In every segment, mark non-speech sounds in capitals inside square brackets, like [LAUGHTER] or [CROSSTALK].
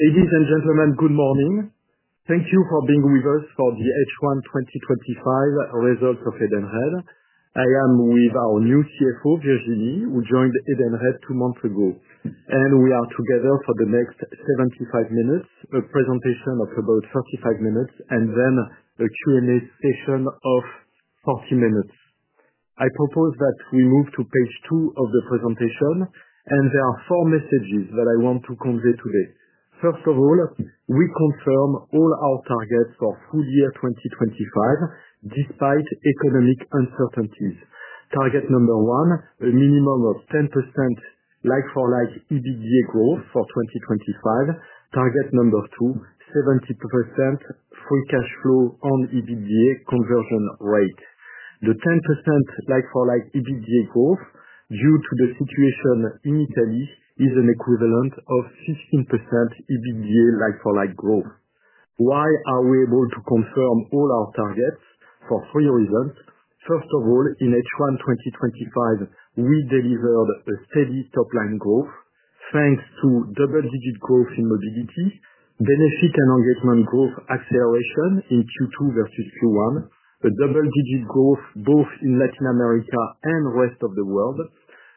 Ladies and gentlemen, good morning. Thank you for being with us for the H1 2025 results of Edenred. I am with our new CFO, Virginie, who joined Edenred two months ago and we are together for the next 75 minutes, a presentation of about 35 minutes and then a Q&A session of 40 minutes. I propose that we move to Page two of the presentation and there are four messages that I want to convey today. First of all, we confirm all our targets for full year 2025 despite economic uncertainties. Target number one, a minimum of 10% like-for-like EBITDA growth for 2025. Target number two, 70% free cash flow on EBITDA conversion rate. The 10% like-for-like EBITDA growth due to the situation in Italy is an equivalent of 15% EBITDA like-for-like growth. Why are we able to confirm all our targets? For three reasons. First of all, in H1 2025 we delivered a steady top line growth thanks to double-digit growth in Mobility, Benefits & Engagement growth, acceleration in Q2 versus Q1, a double-digit growth both in Latin America and Rest of the World,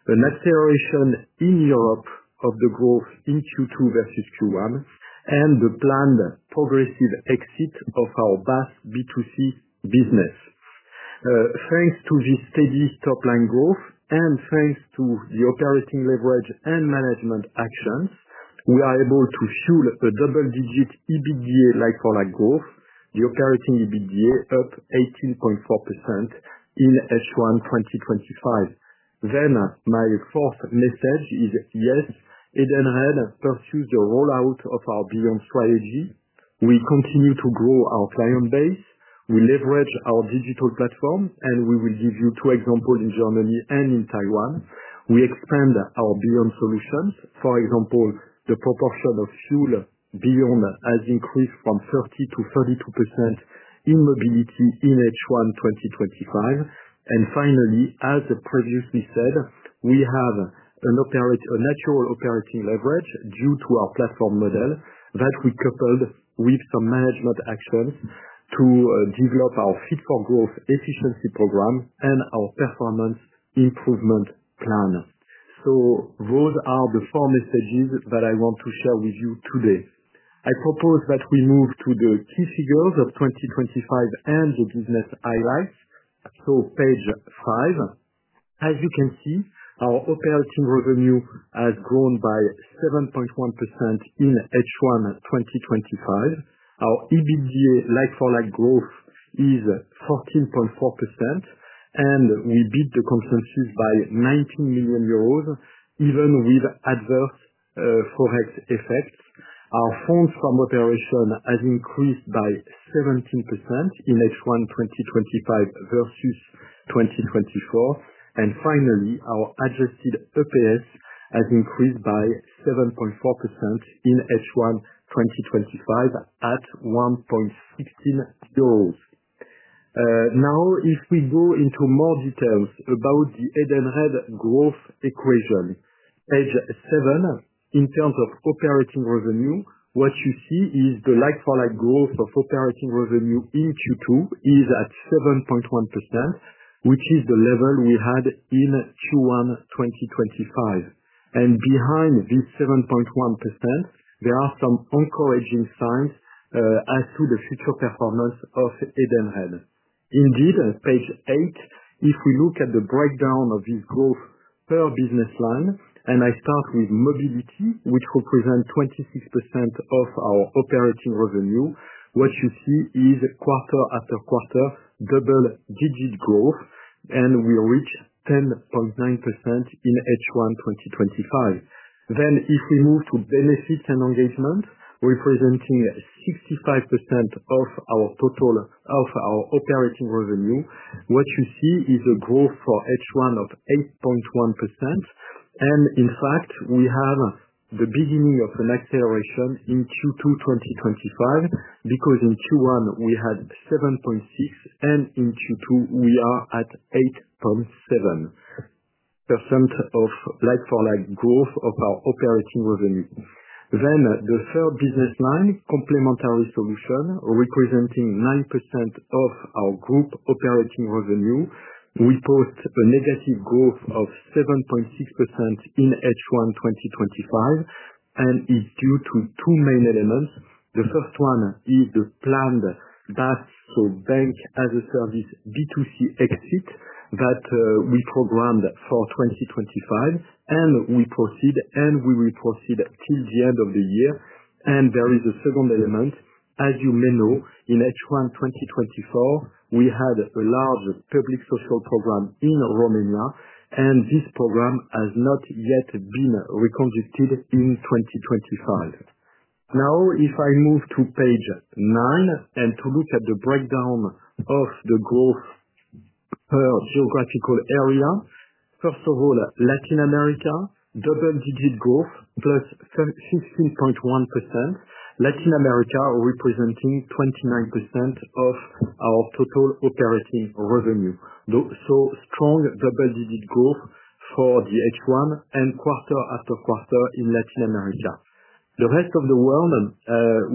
an acceleration in Europe of the growth in Q2 versus Q1 and the planned progressive exit of our BaaS B2C business. Thanks to this steady top line growth and thanks to the operating leverage and management actions, we are able to fuel a double-digit EBITDA like-for-like growth. The operating EBITDA up 18.4% in H1 2025. Then my fourth message is yes, Edenred pursues the rollout of our Beyond strategy. We continue to grow our client base, we leverage our digital platform and we will give you two examples. In Germany and in Taiwan we expand our Beyond solutions. For example, the proportion of Fuel Beyond has increased from 30%-32% in Mobility in H1 2025. Finally, as previously said, we have a natural operating leverage due to our platform model that we coupled with some management actions to develop our Fit for Growth efficiency program and our performance improvement plan. Those are the four messages that I want to share with you today. I propose that we move to the key figures of 2025 and the business highlights so page five. As you can see, our operating revenue has grown by 7.1% in H1 2025. Our EBITDA like-for-like growth is 14.4% and we beat the consensus by 19 million euros even with adverse ForEx effects. Our Funds from Operation has increased by 17% in H1 2025 versus 2020 and finally our adjusted EPS has increased by 7.4% in H1 2025 at 1.16 euros goals. Now if we go into more details about the Edenred growth equation, Page 7., in terms of operating revenue, what you see is the like-for-like growth of operating revenue in Q2 is at 7.1%, which is the level we had in Q1 2025, and behind this 7.1%, there are some encouraging signs as to the future performance of Edenred. Indeed, Page 8, if we look at the breakdown of this growth per business line and I start with Mobility, which represents 26% of our operating revenue, what you see is quarter after quarter double-digit growth, and we reach 10.9% in H1 2025. If we move to Benefits & Engagement, representing 65% of our total operating revenue, what you see is a growth for H1 of 8.1%. In fact, we have the beginning of an acceleration in Q2 2025 because in Q1 we had 7.6% and in Q2 we are at 8.7% of like-for-like growth of our operating revenue. The third business line, Complementary Solutions, representing 9% of our group operating revenue, reports a negative growth of 7.6% in H1 2025 and is due to two main elements. The first one is the planned Banking-as-a-Service B2C exit that we program for 2025 and we proceed and we will proceed till the end of the year. There is a second element. As you may know, in H1 2024 we had a large public social program in Romania and this program has not yet been reconstructed in 2025. Now if I move to Page 9 and look at the breakdown of the growth per geographical area. First of all, Latin America, double-digit growth, plus 16.1%, Latin America representing 29% of our total operating revenue. Strong double-digit growth for the H1 and quarter after quarter in Latin America. The Rest of the World,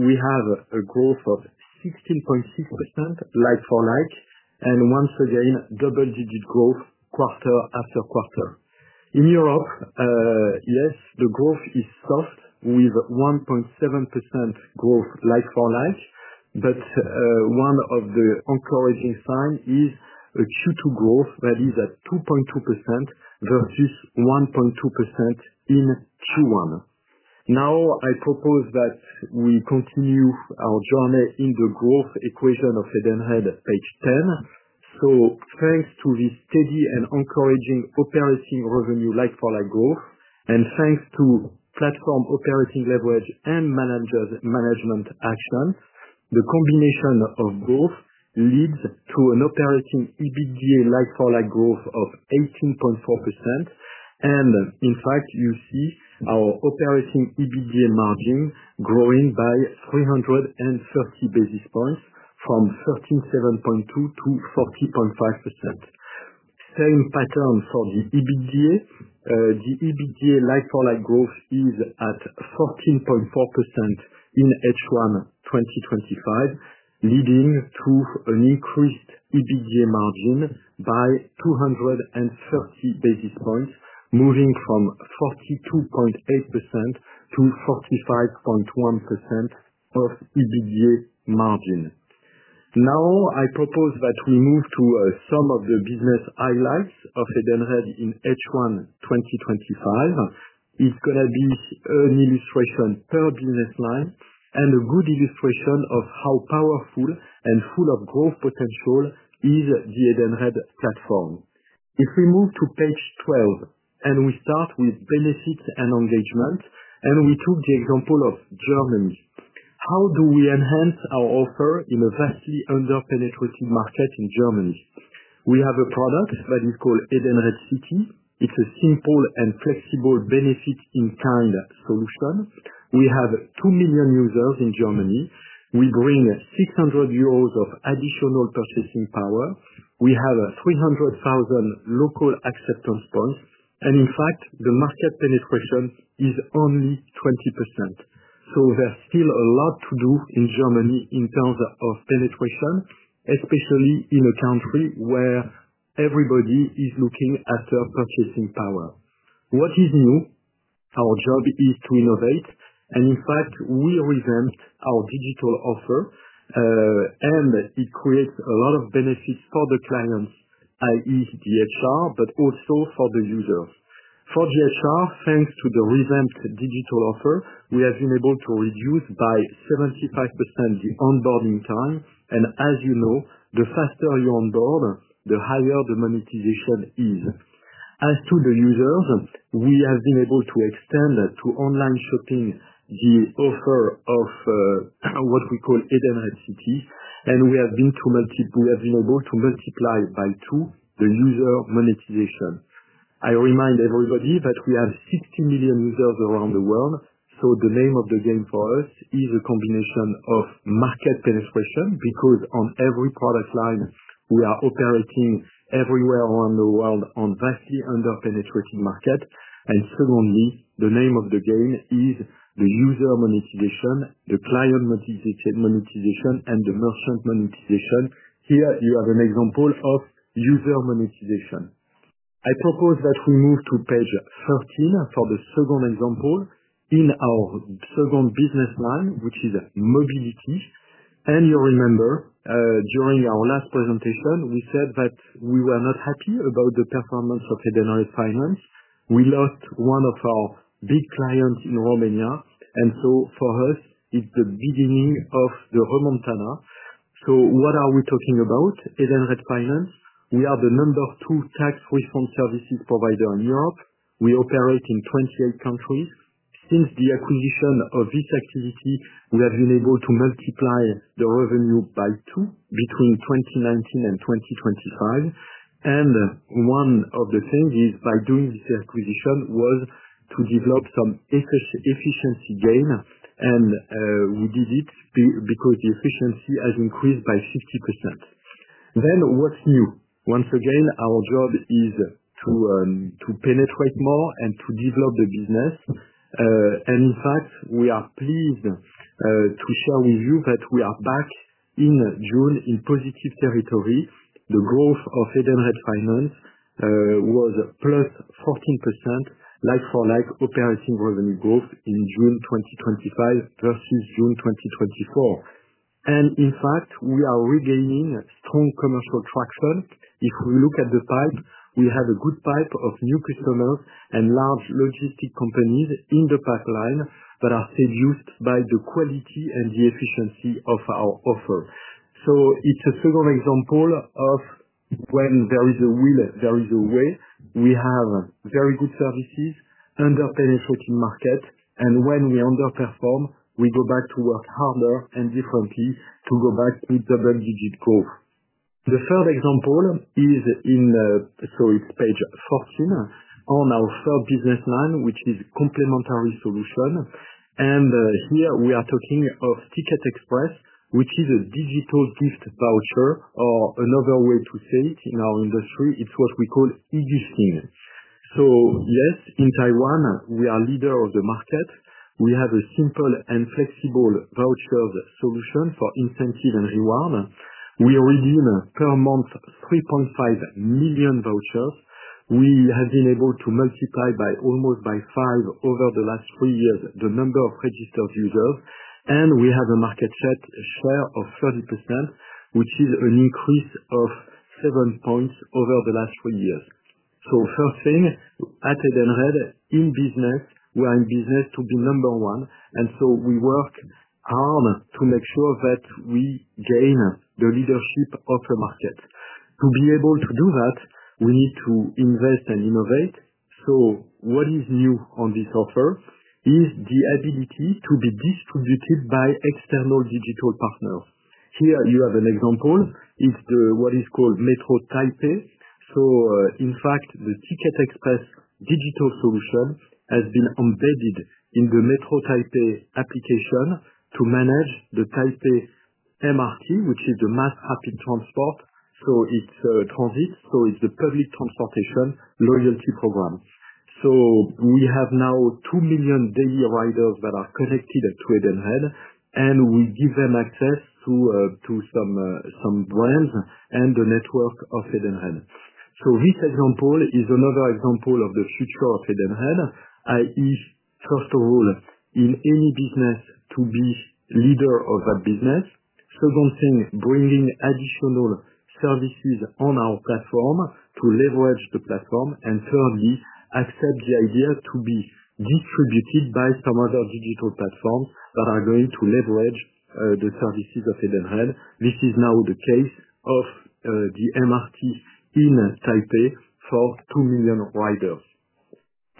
we have a growth of 16.6% like-for-like and once again double-digit growth quarter after quarter. In Europe, the growth is soft with 1.7% growth like-for-like. One of the encouraging signs is a Q2 growth that is at 2.2% versus 1.2% in Q1. I propose that we continue our journey in the growth equation of Edenred, Page 10. Thanks to the steady and encouraging operating revenue like-for-like growth and thanks to platform operating leverage and management action, the combination of both leads to an operating EBITDA like-for-like growth of 18.4%. In fact, you see our operating EBITDA margin growing by 330 basis points from 37.2%-40.5%. Same pattern for the EBITDA. The EBITDA like-for-like growth is at 13.4% in H1 2025, leading to an increased EBITDA margin by 230 basis points, moving from 42.8%-45.1% of EBITDA margin. Now I propose that we move to some of the business highlights of Edenred in H1 2025. It's going to be an illustration per business line and a good illustration of how powerful and full of growth potential is the Edenred platform. If we move to Page 12 and we start with Benefits & Engagement and we took the example of Germany, how do we enhance our offer in a vastly underpenetrated market in Germany? We have a product that is called Edenred City. It's a simple and flexible benefit-in-kind solution. We have 2 million users in Germany. We bring 600 euros of additional purchasing power. We have 300,000 local acceptance points. In fact the market penetration is only 20%. There's still a lot to do in Germany in terms of penetration, especially in a country where everybody is looking after purchasing power. What is new? Our job is to innovate. In fact, we revamp our digital offer and it creates a lot of benefits for the clients, that is the HR, but also for the user. For the HR, thanks to the revamped digital offer, we have been able to reduce by 75% the onboarding time. As you know, the faster you onboard, the higher the monetization is. As to the users, we have been able to extend to online shopping the offer of what we call Edenred City. We have been able to multiply by two the user monetization. I remind everybody that we have 60 million users around the world. The name of the game for us is a combination of market penetration because on every product line we are operating everywhere around the world on vastly underpenetrated market. Secondly, the name of the game is the user monetization, the client monetization, and the merchant monetization. Here you have an example of user monetization. I propose that we move to Page 13 for the second example. In our second business line, which is Mobility. You remember during our last presentation we said that we were not happy about the performance of Edenred Finance. We lost one of our big clients in Romania. For us, it is the beginning of the remontada. What are we talking about? Edenred Finance, we are the number two tax refund services provider in Europe. We operate in 28 countries. Since the acquisition of this activity, we have been able to multiply the revenue by two between 2019 and 2025. One of the things is by doing this acquisition was to develop some efficiency gain. We did it because the efficiency has increased by 50%. What's new? Once again, our job is to penetrate more and to develop the business. In fact, we are pleased to share with you that we are back in June in positive territory. The growth of Edenred Finance was plus 14% like-for-like operating revenue growth in June 2025 versus June 2024. In fact, we are regaining strong commercial traction. If we look at the pipe, we have a good pipe of new customers and large logistic companies in the pipeline that are seduced by the quality and the efficiency of our offer. It's a second example of when there is a will, there is a way. We have very good services underpenetrating market and when we underperform, we go back to work harder and differently to go back with double-digit growth. The third example is in Page 14 on our third business line, which is Complementary Solutions. Here we are talking of Ticket Xpress, which is a digital gift voucher or another way to say it, in our industry it's what we call E-gifting. Yes, in Taiwan we are leaders of the market. We have a simple and flexible vouchers solution for incentive and reward. We redeem per month 3.5 million vouchers. We have been able to multiply by almost five over the last three years the number of registered users, and we have a market share of 30%, which is an increase of seven points over the last three years. First thing at Edenred in business, we are in business to be number one. We work hard to make sure that we gain the leadership of the market. To be able to do that, we need to invest and innovate. What is new on this offer, is the ability to be distributed by external digital partners. Here you have an example. It's what is called Metro Taipei. In fact, the Ticket Xpress digital solution has been embedded in the Metro Taipei application to manage the Taipei MRT system, which is the mass rapid transportation. It's transit, it's the public transportation loyalty program. We have now two million daily riders that are connected to Edenred, and we give them access to some brands and the network of Edenred. This example is another example of the future of Edenred. That is, first of all, in any business to be leader of that business. Second thing, bringing additional services on our platform to leverage the platform, and thirdly, accept the idea to be distributed by some other digital platforms that are going to leverage the services of Edenred. This is now the case of the MRT in Taipei for two million riders.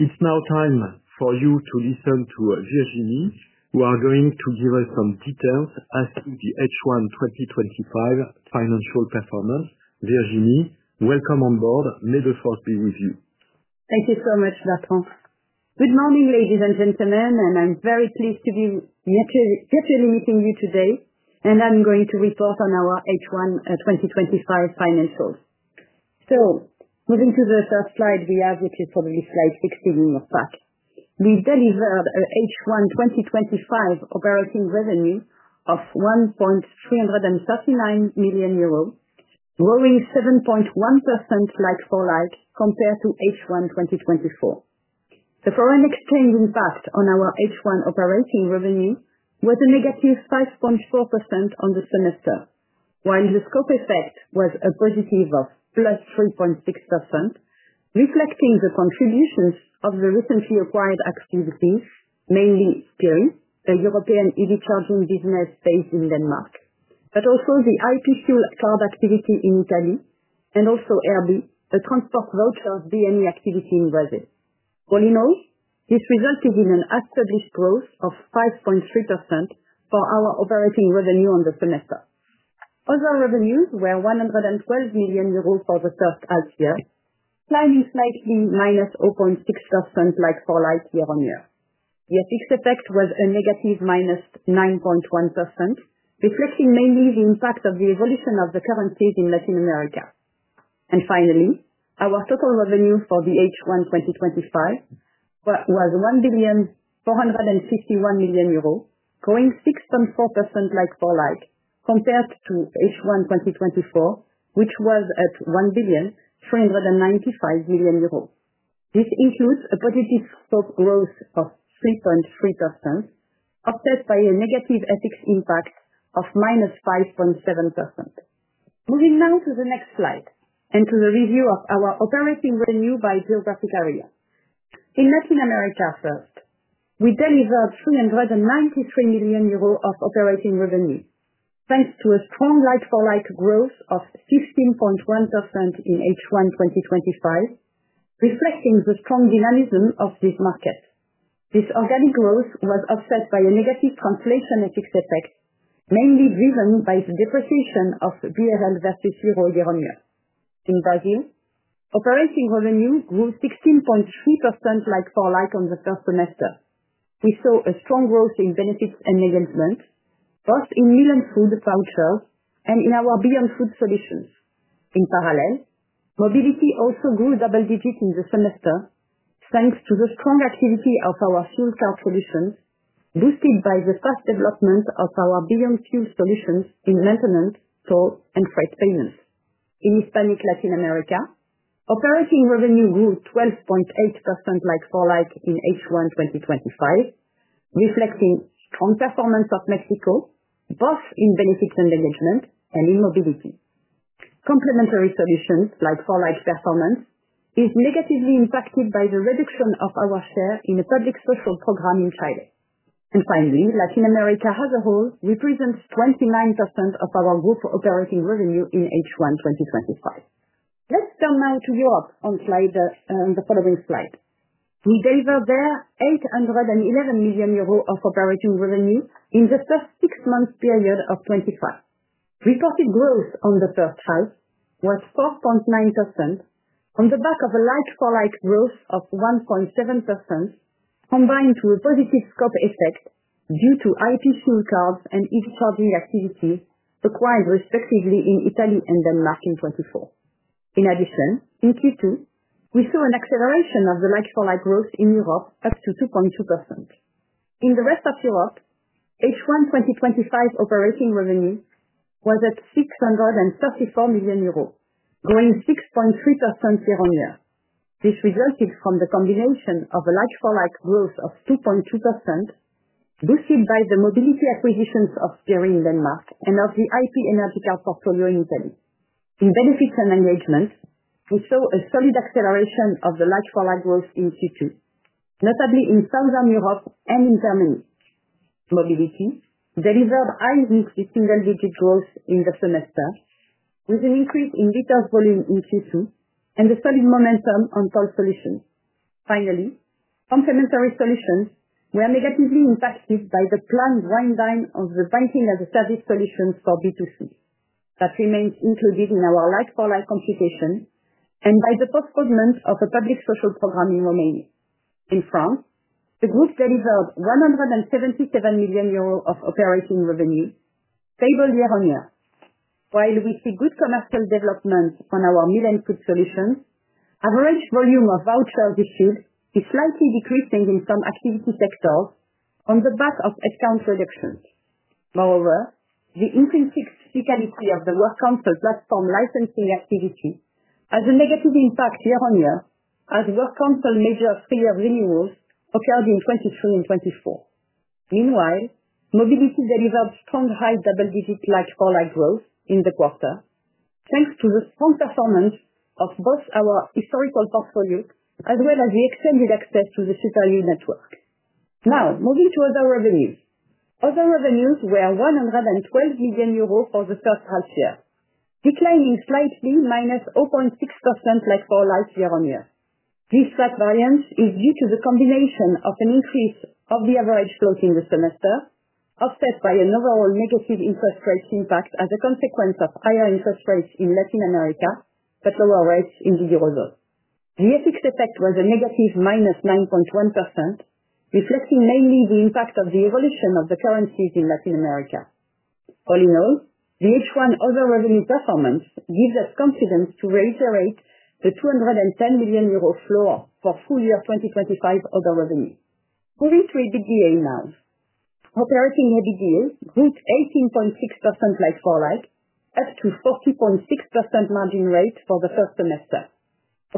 It's now time for you to listen to Virginie who is going to give us some details as to the H1 2025 financial performance. Virginie, welcome on board. May the force be with you. Thank you so much, Bertrand. Good morning, ladies and gentlemen, and I'm very pleased to be virtually meeting you today. I'm going to report on our H1 2025 financials. Moving to the first slide, we have, which is probably Slide 16 in your pack. We delivered H1 2025 operating revenue of 1.339 million euros, growing 7.1% like-for-like compared to H1 2024. The foreign exchange impact on our H1 operating revenue was a negative 5.4% on the semester, while the scope effect was a positive of 3.6% reflecting the contributions of the recently acquired activity, mainly Spirii, a European EV charging business based in Denmark, but also the IP Fuel Card activity in Italy and also RB, a transport voucher B&E activity in Brazil. All in all, this resulted in an established growth of 5.3% for our operating revenue on the semester. Other revenues were 112 million euros for the first half year, climbing slightly, minus 0.6% like-for-like year on year. The FX effect was a negative minus 9.1%, reflecting mainly the impact of the evolution of the currencies in Latin America. Finally, our total revenue for H1 2025 was 1,451 billion, growing 6.4% like-for-like compared to H1 2024. which was at 1.395 billion. This includes a positive stock growth of 3.3% offset by a negative FX impact of minus 5.7%. Moving now to the next slide and to the review of our operating revenue by geographic area in Latin America. First, we delivered 393 million euros of operating revenue thanks to a strong like-for-like growth of 15.1% in H1 2025, reflecting the strong dynamism of this market. This organic growth was offset by a negative translation FX effect, mainly driven by the depreciation of BRL versus euro year-on-year. In Brazil, operating revenue grew 16.3% like-for-like on the first semester. We saw a strong growth in Benefits & Engagement both in Meal and Food vouchers and in our Beyond Food solutions. In parallel, Mobility also grew double digits in the semester thanks to the strong activity of our Fuel card solutions, boosted by the fast development of our Beyond Fuel solutions in maintenance, toll and freight payments. In Hispanic Latin America, operating revenue grew 12.8% like-for-like in H1 2025. Reflecting strong performance of Mexico both in Benefits & Engagement and in Mobility. Complementary Solutions like-for-like performance is negatively impacted by the reduction of our share in a public social program in Chile. Finally, Latin America as a whole represents 29% of our group operating revenue in H1 2025. Let's turn now to Europe on the following slide. We delivered there 811 million euros of operating revenue in the first six months period of 2025. Reported growth on the first half was 4.9% on the back of a like-for-like growth of 1.7% combined with a positive scope effect due to IP Fuel Card and EV charging activity acquired. Respectively in Italy and Denmark in 2024. In addition, in Q2 we saw an acceleration of the like-for-like growth in Europe up to 2.2%. In the rest of Europe, H1 2025 operating revenue was at 634 million euros, growing 6.3% year on year. This resulted from the combination of a like-for-like growth of 2.2% boosted by the Mobility acquisitions of Spirii in Denmark and of the IP Energy Card portfolio in Italy. In Benefits & Engagement, we saw a solid acceleration of the large follow-on growth in Q2, notably in Southern Europe and in Germany. Mobility delivered high-single-digit growth in the semester with an increase in liters volumes in Q2 and the solid momentum on Toll solutions. Finally, Complementary Solutions were negatively impacted by the planned rundown of the Banking-as-a-Service solution for B2C. That remains included in our like-for-like computation and by the postponement of a public social program in Romania. In France the group delivered 77 million euros of operating revenue, stable year on year. While we see good commercial development on our Meal and Food solutions, average volume of vouchers issued is slightly decreasing in some activity sectors on the back of account reductions. Moreover, the intrinsic fiscality of the work council platform licensing activity has a negative impact year-on-year as workers council major three-year renewals occurred in 2023 and 2024. Meanwhile, Mobility delivered strong high double-digit like-for-like growth in the quarter, thanks to the strong performance of both our historical portfolio as well as the extended access to the super new network. Now moving to other revenues. Other revenues were 112 million euros for the first half year, declining slightly by minus 0.6%. Like-for-like year on year. This slight variance is due to the combination of an increase of the average growth in the semester, offset by an overall negative interest rate impact as a consequence of higher interest rates in Latin America but lower rates in the Eurozone. The FX effect was a negative minus 9.1% reflecting mainly the impact of the evolution of the currencies in Latin America. All in all, the H1 Other Revenue performance gives us confidence to reiterate the 210 million euro floor for full year 2025 Other Revenue. Moving to EBITDA now, operating EBITDA grew 18.6% like-for-like up to a 40.6% margin rate for the first semester.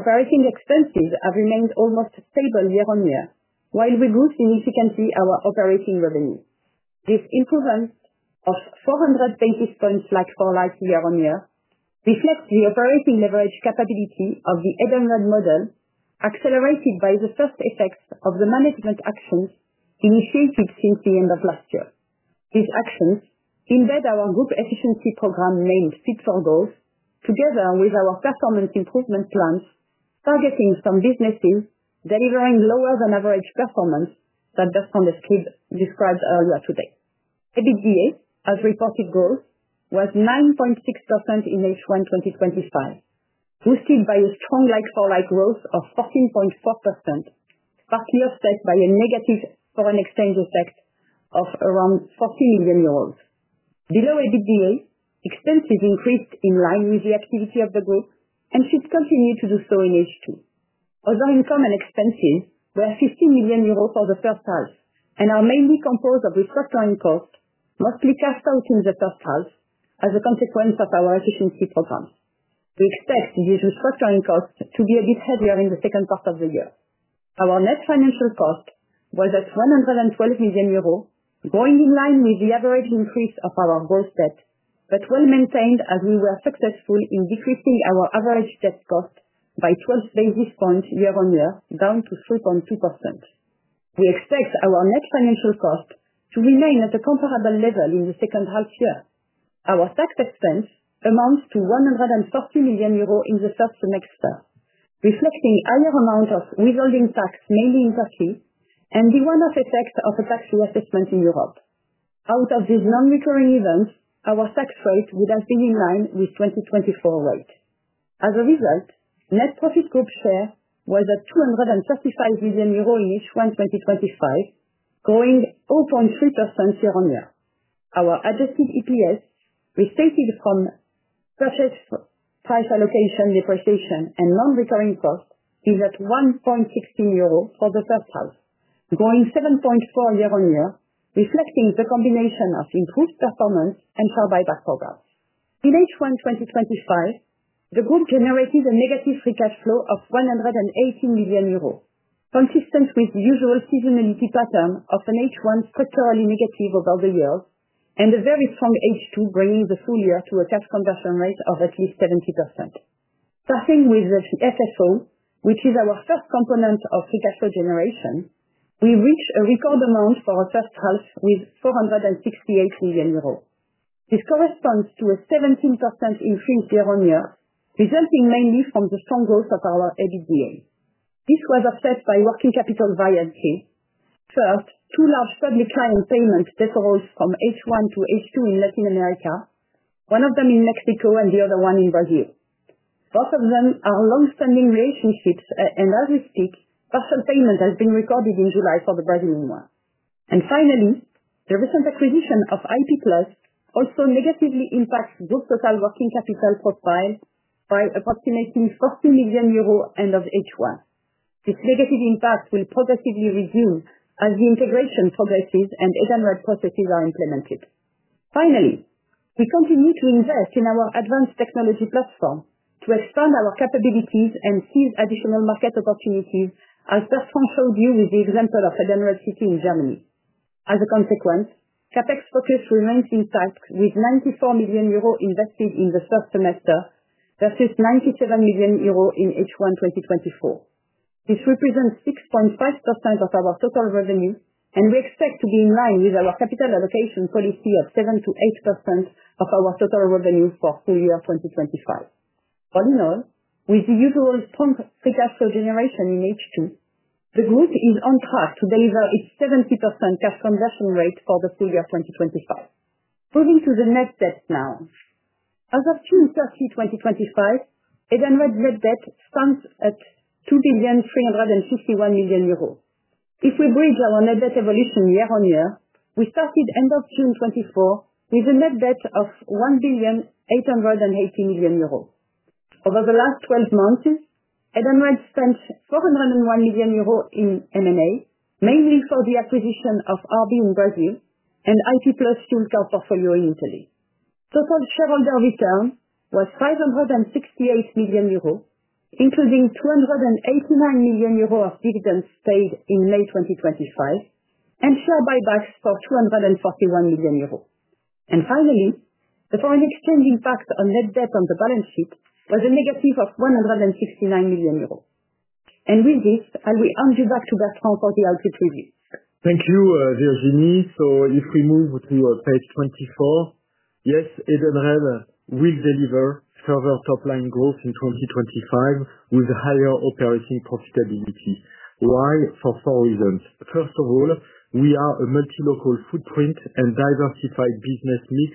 Operating expenses have remained almost stable year on year while we grew significantly our operating revenue. This improvement of 400 basis points like-for-like year on year reflects the operating leverage capability of the Edenred model, accelerated by the first effects of the management actions initiated since the end of last year. These actions embed our group efficiency program named Fit for Growth together with our performance improvement plans targeting some businesses delivering lower than average performance, just as described earlier today. EBITDA as reported growth was 9.6% in H1 2025, boosted by a strong like-for-like growth of 14.4%, partly offset by a negative foreign exchange effect of around 40 million euros below EBITDA, expenses increased in line with the activity of the group and should continue to do so in H2. Other income and expenses were 15 million euros for the first half and are mainly composed of restructuring costs, mostly cashed out in the first half as a consequence of our efficiency programs. We expect the restructuring costs to be a bit heavier in the second part of the year. Our net financial cost was at 112 million euros, growing in line with the average increase of our gross debt, but well maintained as we were successful in decreasing our average debt cost by 12 basis points year on year, down to 3.2%. We expect our net financial cost to remain at a comparable level in the second half year. Our tax expense amounts to 140 million euro in the first semester, reflecting a higher amount of withholding tax mainly in Turkey and the one-off effect of a tax reassessment in Europe. Out of these nonrecurring events, our tax rate would have been in line with the 2024 rate. As a result, net profit group share was at 235 million euro in 2025, growing 0.3% year on year. Our adjusted EPS, restated from purchase price allocation, depreciation, and nonrecurring cost, is at 1.16 euro for the first half, growing 7.4% year on year, reflecting the combination of improved performance and share buyback programs. In H1 2025, the group generated a negative free cash flow of 118 million euros, consistent with the usual seasonality pattern of an H1, structurally negative over the years and a very strong H2, bringing the full year to a cash conversion rate of at least 70%. Starting with the FFO, which is our first component of free cash flow generation, we reach a record amount for our first half with 468 million euros. This corresponds to a 17% increase year on year, resulting mainly from the strong growth of our EBITDA. This was offset by working capital variancies. First, two large public client payments decelerated from H1 to H2 in Latin America, one of them in Mexico and the other one in Brazil. Both of them are long-standing relationships. As we speak, partial payment has been recorded in July for the Brazilian one. Finally, the recent acquisition of IP also negatively impacts group total working capital profile by approximately 40 million euros at the end of H1. This negative impact will progressively reduce as the integration progresses and Edenred processes are implemented. Finally, we continue to invest in our advanced technology platform to expand our capabilities and seize additional market opportunities as Bertrand showed you with the example of Edenred City in Germany. As a consequence, CapEx focus remains intact with 94 million euros invested in the first semester versus 97 million euros in H1 2024. This represents 6.5% of our total revenue, and we expect to be in line with our capital allocation policy of 7%-8% of our total revenue for full year 2025. All in all, with the usual strong free cash flow generation in H2, the group is on track to deliver its 70% cash transaction rate for the full year 2025. Moving to the net debt now. As of June 30, 2025, Edenred's net debt stands at 2.351 billion. If we bridge our net debt evolution year on year, we started end of June 2024 with a net debt of EUREUR 1,880 billion. Over the last 12 months, Edenred spent 401 million euros in M&A, mainly for the acquisition of RB in Brazil and IP Plus Fuel Card portfolio in Italy. Total shareholder return was 568 million euros, including 289 million euros of dividends paid in late 2025 and share buybacks for 241 million euros. Finally, the foreign exchange impact on net debt on the balance sheet was a negative of 169 million euros. With this, I will hand you back to Bertrand for the output review. Thank you, Virginie. If we move to Page 24, Edenred will deliver further top line growth in 2025 with higher operating profitability. Why? For four reasons. First of all, we are a multilocal footprint and diversified business mix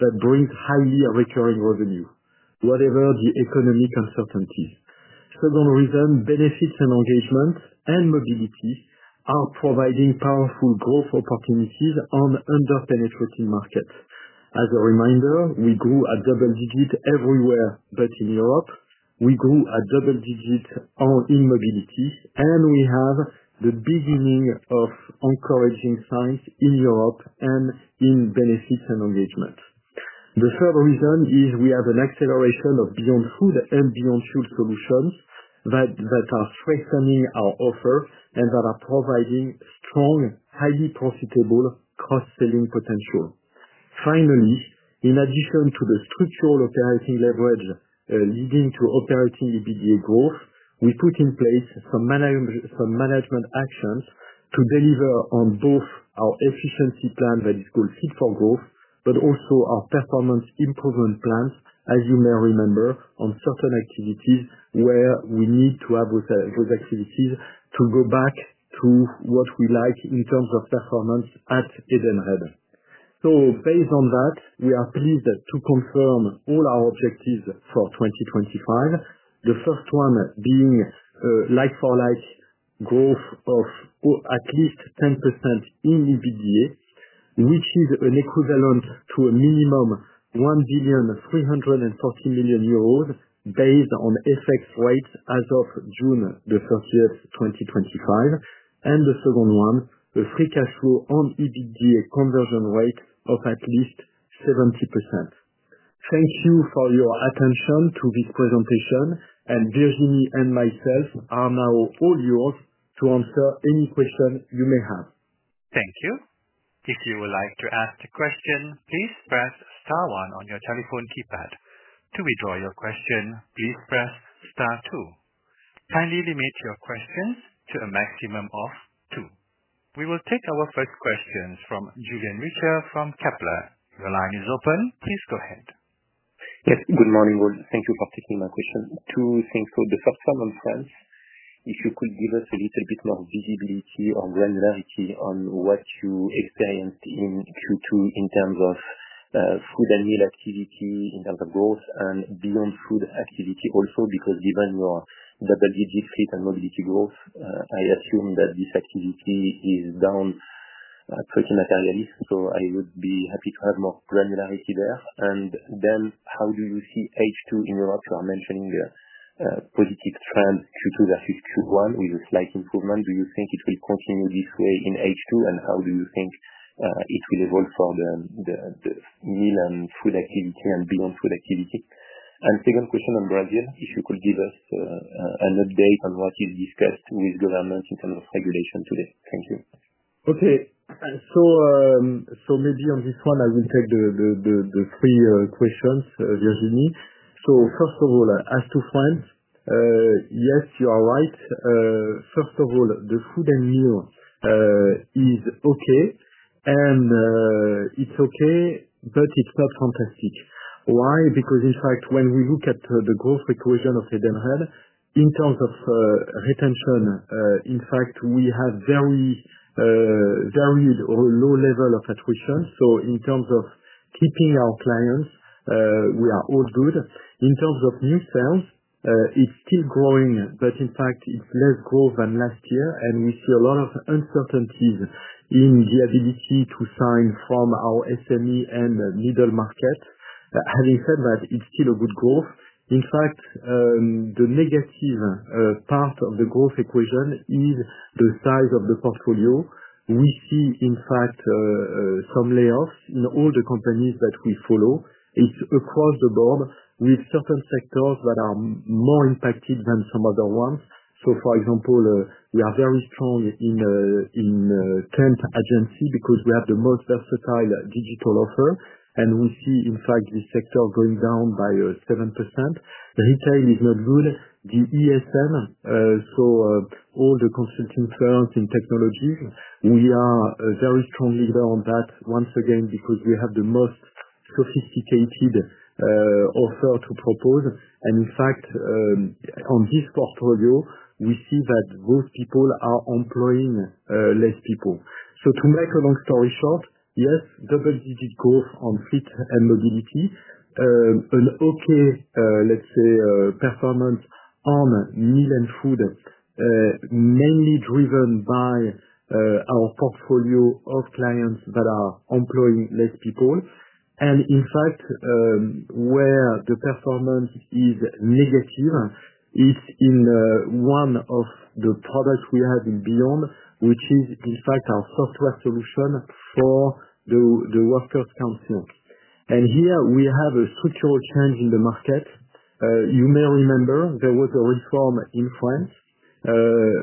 that brings highly recurring revenue whatever the economic uncertainties. Second reason, Benefits & Engagement and Mobility are providing powerful growth opportunities on underpenetrated markets. As a reminder, we grew at double-digit everywhere, but in Europe we grew at double-digit in Mobility and we have the beginning of encouraging signs in Europe and in Benefits & Engagement. The third reason is we have an acceleration of Beyond Food and Beyond Fuel solutions that are strengthening our offer and that are providing strong, highly profitable cross-selling potential. Finally, in addition to the structural operating leverage leading to operating EBITDA growth, we put in place some management actions to deliver on both our efficiency plan that is called Fit for Growth, but also our performance improvement plans, as you may remember, on certain activities where we need to have those activities go back to what we like in terms of performance at Edenred. Based on that, we are pleased to confirm all our objectives for 2025. The first one being like-for-like growth of at least 10% in EBITDA, which is equivalent to a minimum 1.340 billion based on FX rates as of June 30, 2025. The second one, the free cash flow to EBITDA conversion rate of at least 70%. Thank you for your attention to this presentation, Virginie and myself are now all yours to answer any question you may have. Thank you. If you would like to ask a question, please press star one on your telephone keypad. To withdraw your question, please press star two. Kindly limit your questions to a maximum of two. We will take our first question from Julien Richer from Kepler. Your line is open. Please go ahead. Yes, good morning. Thank you for taking my question. Two things. The first one on France, if you could give us a little bit more visibility or granularity on what you experienced in Q2 in terms of Food and Meal activity, in terms of growth and Beyond Food activity. Also, because given your double-digit Fit for Growth and Mobility growth, I assume that this activity is down pretty materially, so I would be happy to have more granularity there. How do you see H2 in Europe? You are mentioning positive trend Q2 versus Q1 with a slight improvement. Do you think it will continue this way in H2, and how do you think it will evolve for the Meal and Food activity and Beyond Food activity? Second question on Brazil, if you could give us an update on what is discussed with government in terms of regulation today. Thank you. Okay, so maybe on this one I will take the three questions, Virginie. First of all, as to France, yes, you are right. First of all, the food and meal is okay and it's okay, but it's not fantastic. Why? Because in fact, when we look at the growth equation of Edenred in terms of retention, in fact we have very varied or low level of attrition. In terms of keeping our clients, we are all good. In terms of new sales, it's still growing, but in fact it's less growth than last year. We see a lot of uncertainties in the ability to sign from our SME and middle market. Having said that, it's still a good growth. In fact, the negative part of the growth equation is the size of the portfolio. We see in fact some layoffs in all the companies that we follow. It's across the board with certain sectors that are more impacted than some other ones. For example, we are very strong in temp agency because we have the most versatile digital offer. We see in fact this sector going down by 7%. The retail is not good, the ESN, all the consulting firms in technology, we are a very strong leader on that once again because we have the most sophisticated offer to propose. In fact, on this portfolio we see that those people are employing less people. To make a long story short, yes, double-digit growth on Fit for Growth and Mobility, an okay, let's say performance on Meal and Food, mainly driven by our portfolio of clients that are employing less people. In fact, where the performance is negative, it's in one of the products we have in Beyond, which is in fact our software solution for the Workers Council. Here we have a structural change in the market. You may remember there was a reform in France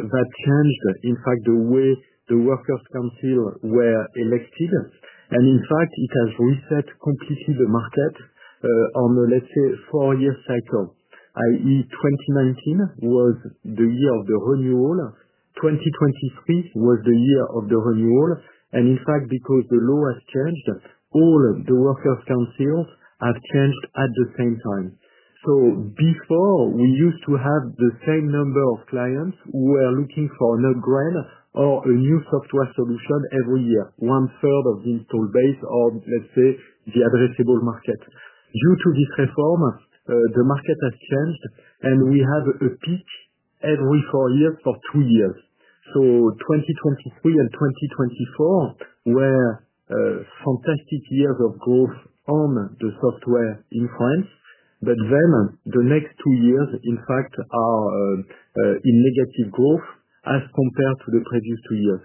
that changed in fact the way the Workers Council were elected. It has reset completely the market on, let's say, four-year cycle, that is 2019 was the year of the renewal, 2023 was the year of the renewal. In fact, because the law has changed, all the Workers Councils have changed at the same time. Before, we used to have the same number of clients who were looking for an upgrade or a new software solution every year, one third of the installed base of, let's say, the addressable market. Due to this reform, the market has changed and we have a peak every four years for two years. 2023 and 2024 were fantastic years of growth on the software in France. The next two years, in fact, are in negative growth as compared to the previous two years.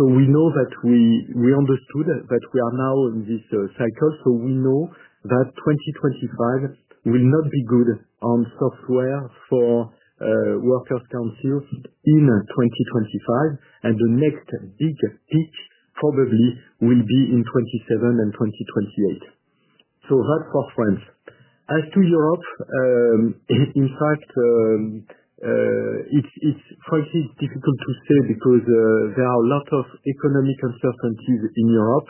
We know that we understood that we are now in this cycle. We know that 2025 will not be good on software for Workers Council in 2025, and the next big peak probably will be in 2027 and 2028. That's for France. As to Europe, in fact, it's frankly difficult to say because there are a lot of economic uncertainties in Europe.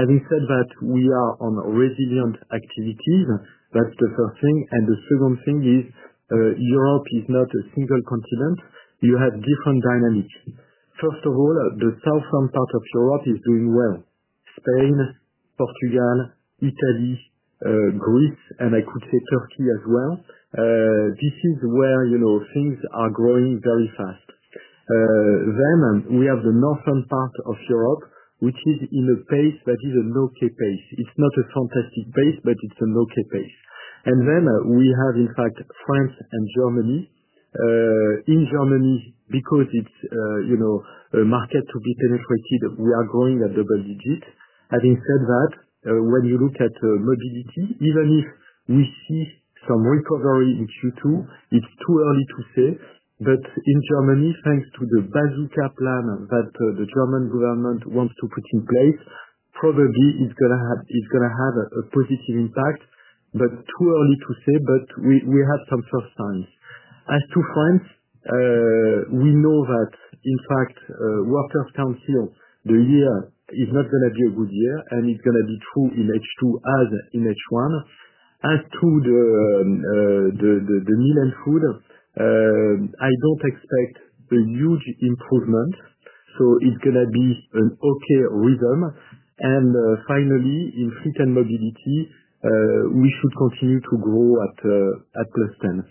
Having said that, we are on resilient activities. That's the first thing. The second thing is Europe is not a single continent. You have different dynamics. First of all, the southern part of Europe is doing well. Spain, Portugal, Italy, Greece, and I could say Turkey as well. This is where things are growing very fast. Then we have the northern part of Europe, which is in a pace that is an OK pace. It's not a fantastic pace, but it's an OK pace. Then we have, in fact, France and Germany. In Germany, because it's a market to be penetrated, we are growing at double-digits. Having said that, when you look at Mobility, even if we see some recovery in Q2, it's too early to say. In Germany, thanks to the Bazooka Plan that the German government wants to put in place, probably it's going to have a positive impact, but too early to say. We have some first signs. As to France, we know that in fact, Workers Council, the year is not going to be a good year and it's going to be true in H2 as in H1. As to the Meal and Food, I don't expect a huge improvement. It's going to be an OK rhythm. Finally, in Fleet and Mobility, we should continue to grow at plus 10%.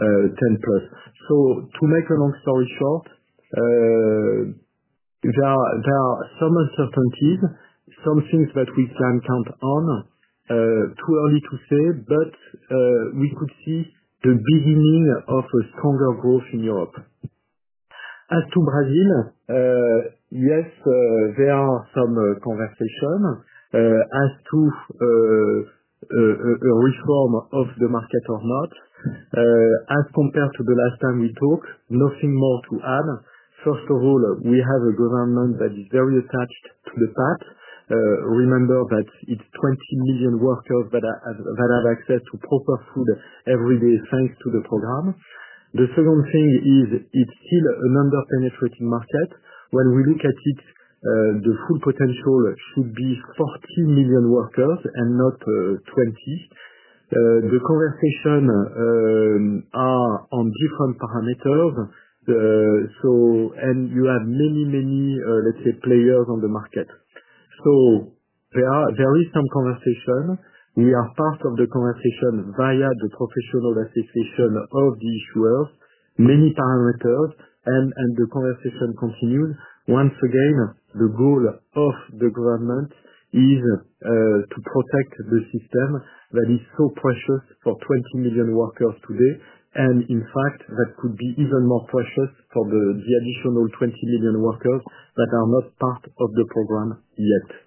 To make a long story short, there are some uncertainties, some things that we can count on, too early to say, but we could see the beginning of a stronger growth in Europe. As to Brazil, yes, there are some conversations as to a reform of the market or not, as compared to the last time we talked. Nothing more to add. First of all, we have a government that is very attached to the fact. Remember that it's 20 million workers that have access to proper food every day thanks to the program. The second thing is it's still an underpenetrated market. When we look at it, the full potential should be 40 million workers and not 20. The conversations are on different parameters and you have many, many, let's say, players on the market. There is some conversation. We are part of the conversation via the professional association of the issuers. Many parameters. The conversation continues. Once again, the goal of the government is to protect the system that is so precious for 20 million workers today. In fact, that could be even more precious for the additional 20 million workers that are not part of the program yet.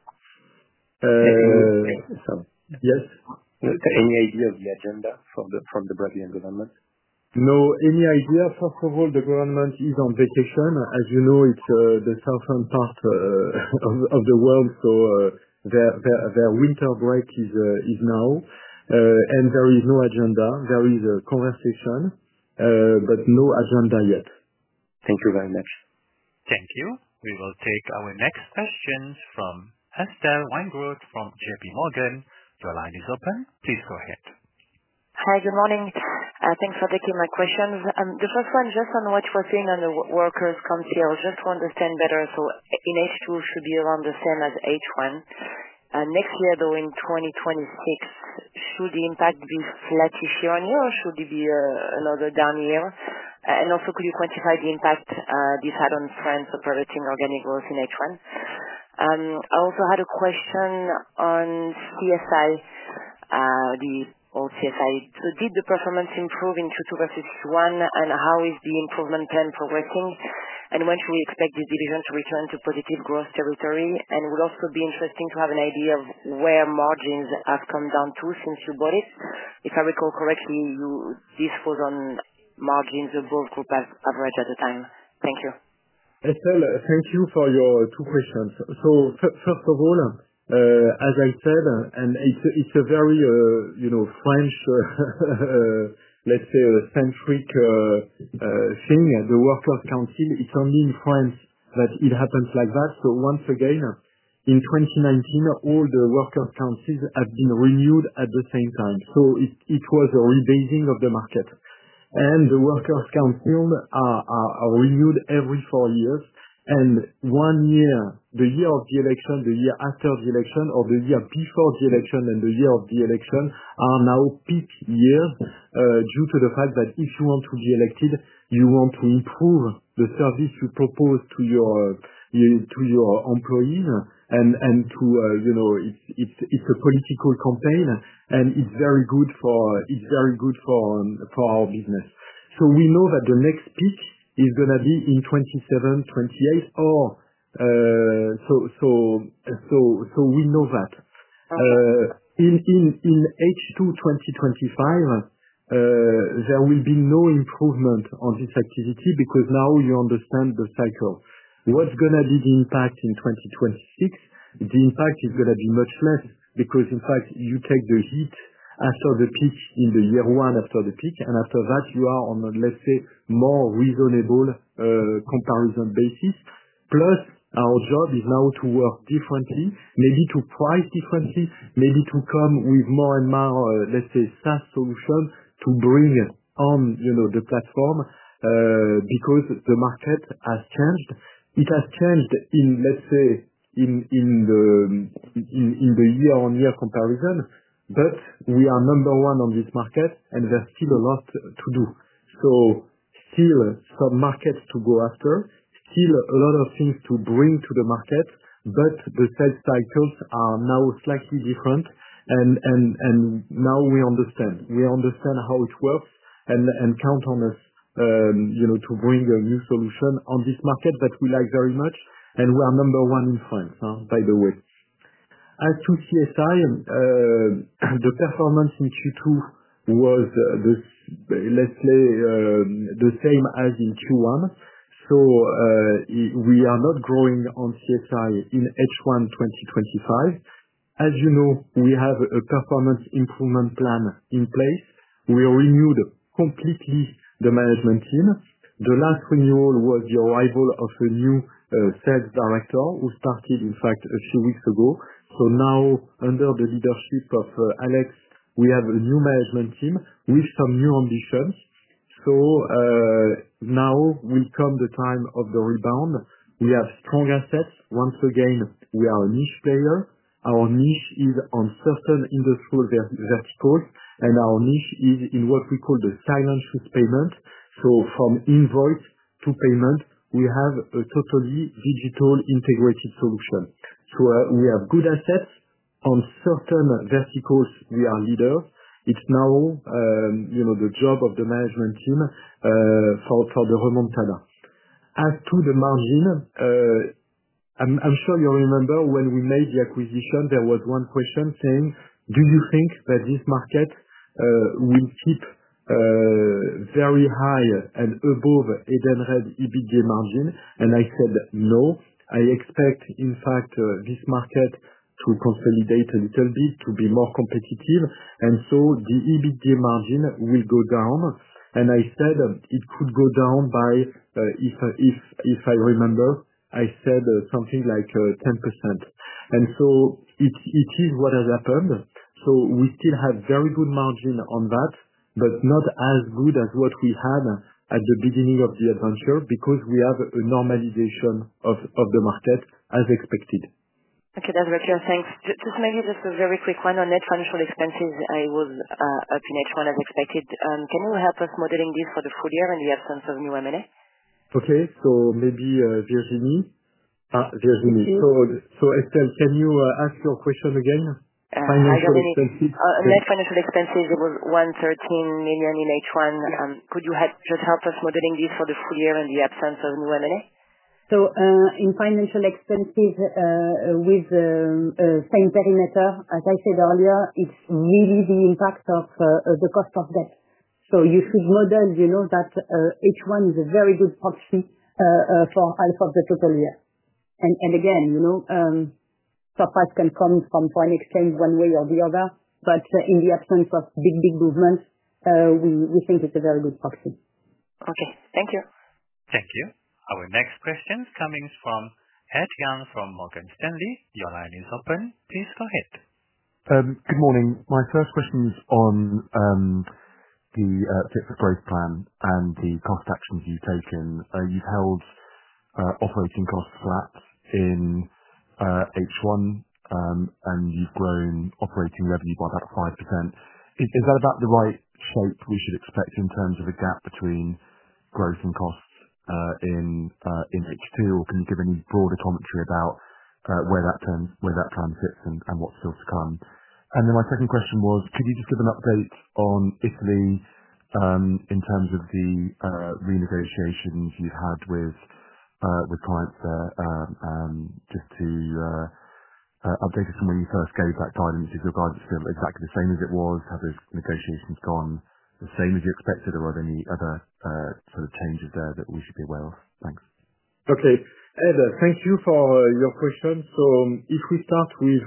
Yes. Any idea of the agenda from the Brazilian government? No. Any idea? First of all, the government is on vacation. As you know, it's the southern part of the world, so their winter break is now. There is no agenda. There is a conversation, but no agenda yet. Thank you very much. Thank you. We will take our next questions from Estelle Weingrod, from JPMorgan. The line is open. Please go ahead. Hi, good morning. Thanks for taking my questions. The first one, just on what you are seeing on the Workers Council, just to understand better. In H2, should it be around the same as H1? Next year though, in 2026, should the impact be flattish year on year or should it be another down year? Could you also quantify the impact this had on trends operating organic growth in H1? I also had a question on CSI, the old CSI. Did the performance improve in Q2 versus Q1, and how is the improvement plan progressing? When should we expect this division to return to positive growth territory? It would also be interesting to have an idea of where margins have come down to since you bought it. If I recall correctly, this was on margins above group average at the time. Thank you, Estelle. Thank you for your two questions. First of all, as I said, and it's a very, you know, French, let's say centric thing, the Workers Council, it's only in France that it happens like that. Once again, in 2019, all the Workers Councils have been renewed at the same time. It was a rebasing of the market. The Workers Council are renewed every four years and one year, the year of the election, the year after the election, or the year before the election and the year of the election are now peak years due to the fact that if you want to be elected, you want to improve the service you propose to your employees and to, you know, it's a political campaign and it's very good for our business. We know that the next peak is going to be in 2027, 2028. We know that in H2 2025 there will be no improvement on this activity because now you understand the cycle. What's going to be the impact in 2026? The impact is going to be much less because in fact you take the hit after the peak, in the year one after the peak and after that you are on, let's say, more reasonable comparison basis. Plus our job is now to work differently, maybe to price differently, maybe to come with more and more, let's say, SaaS solution to bring on the platform because the market has, it has changed in, let's say, in the year-on-year comparison. We are number one on this market and there's still a lot to do. Still some markets to go after, still a lot of things to bring to the market. The sales cycles are now slightly different and now we understand, we understand how it works and count on us to bring a new solution on this market that we like very much. We are number one in France, by the way. As to CSI, the performance in Q2 was, let's say, the same as in Q1. We are not growing on CSI in H1 2025. As you know, we have a performance improvement plan in place. We renewed completely the management team. The last renewal was the arrival of a new Sales Director who started in fact a few weeks ago. Now under the leadership of Alex, we have a new management team with some new ambitions. Now will come the time of the rebound. We have strong assets. Once again, we are a niche player. Our niche is on certain industry verticals and our niche is in what we call the silent choose payment. From invoice to payment, we have a totally digital integrated solution. We have good assets on certain verticals. We are leaders. It's now the job of the management team for the remontada. As to add to the margin, I'm sure you remember when we made the acquisition, there was one question saying, do you think that this market will keep very high and above Edenred EBITDA margin? I said no, I expect in fact this market to consolidate a little bit, to be more competitive, and the EBITDA margin will go down. I said it could go down by, if I remember, I said something like 10%. It is what has happened. We still have very good margin on that, but not as good as what we had at the beginning of the adventure because we have a normalization of the market as expected. Okay, that's rockier. Thanks. Maybe just a very quick one. On net financial expenses, it was up in H1 as expected. Can you help us modeling this for the full year in the absence of new M&A? Okay, maybe Virginie. Virginie, Estelle, can you ask your question again? Financial expenses, net financial expenses, it was. 113 million in H1. Could you just help us modeling this for the full year in the absence of new M&A? In financial expenses with same perimeter as I said earlier, it's really the impact of the cost of debt. You should model, you know, that H1 is a very good proxy for half of the total year. Again, you know, surprise can come from foreign exchange one way or the other, but in the absence of big, big movements, we think it's a very good proxy. Okay, thank you. Thank you. Our next question coming from Morgan Stanley. Your line is open. Please go ahead. Good morning. My first question is on the Fit for Growth plan and the cost actions you've taken. You've held operating costs flat in H1, you've grown operating revenue by about 5%. Is that about the right shape should expect in terms of a gap between growth and costs in H2, or can you give any broader commentary about where that plan sits and what's still to come? Could you just give an update on Italy in terms of the renegotiations you've had with clients there? Just to update us from when you first gave that guidance. Is your guidance exactly the same as it was? Have those negotiations gone the same as you expected? Are there any other sort of changes there that we should be aware of? Thanks. Okay, Ed, thank you for your question. If we start with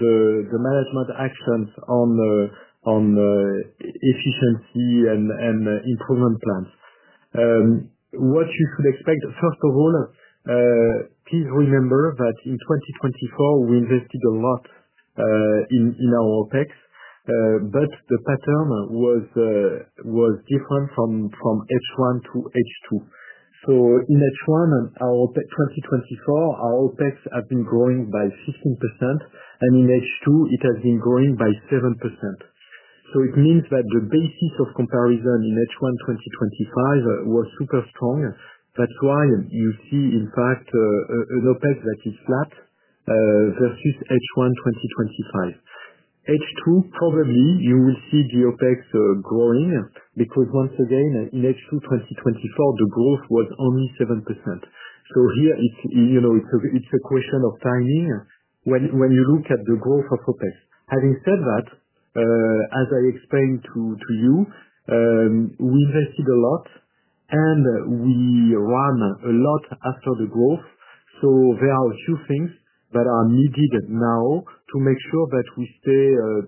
the management actions on efficiency and improvement plans, what you should expect. First of all, please remember that in 2024 we invested a lot in our OpEx, but the pattern was different from H1 to H2. In H1 2024, our OpEx has been growing by 15% and in H2 it has been growing by 7%. It means that the basis of comparison in H1 2025 was super strong. That's why you see, in fact, an OpEx that is flat versus H1 2025. H2, probably you will see OpEx growing, because once again, in H2 2024, the growth was only 7%. Here it's a question of timing when you look at the growth of OpEx. Having said that, as I explained to you, we invested a lot and we ran a lot after the growth. There are a few things that are needed now to make sure that we stay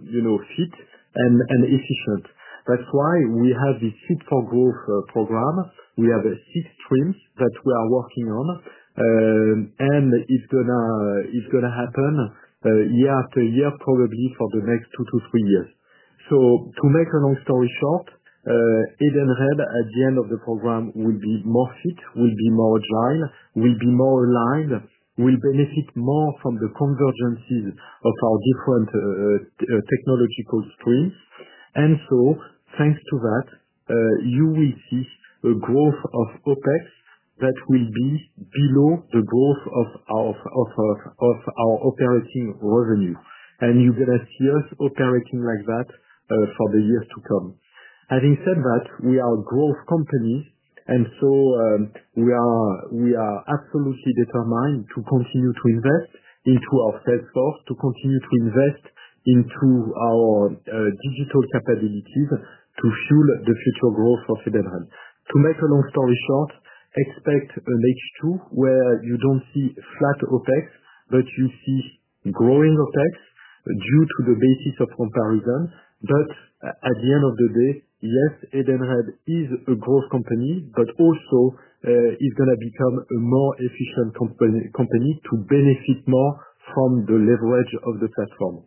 fit and efficient. That's why we have the Fit for Growth program. We have six streams that we are working on and it's going to happen year after year, probably for the next two to three years. To make a long story short, Edenred at the end of the program will be more fit, will be more agile, will be more aligned. We benefit more from the convergences of our different technological streams. Thanks to that, you will see a growth of OpEx that will be below the growth of our operating revenue. You're going to see us operating like that for the years to come. Having said that, we are a growth company and we are absolutely determined to continue to invest into our salesforce, to continue to invest into our digital capabilities to fuel the future growth of Edenred. To make a long story short, expect an H2 where you don't see flat OpEx, but you see growing OpEx due to the basis of comparison. At the end of the day, yes, Edenred is a growth company, but also is going to become a more efficient company to benefit more from the leverage of the platform.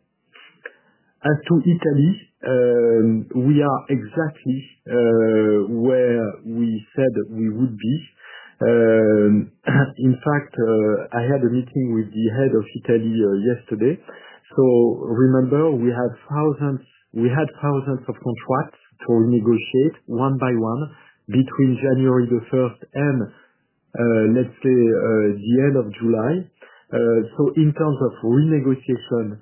As to Italy, we are exactly where we said we would be. In fact, I had a meeting with the head of Italy yesterday. Remember we had thousands of contracts to negotiate one by one between January 1st and, let's say, the end of July. In terms of renegotiation,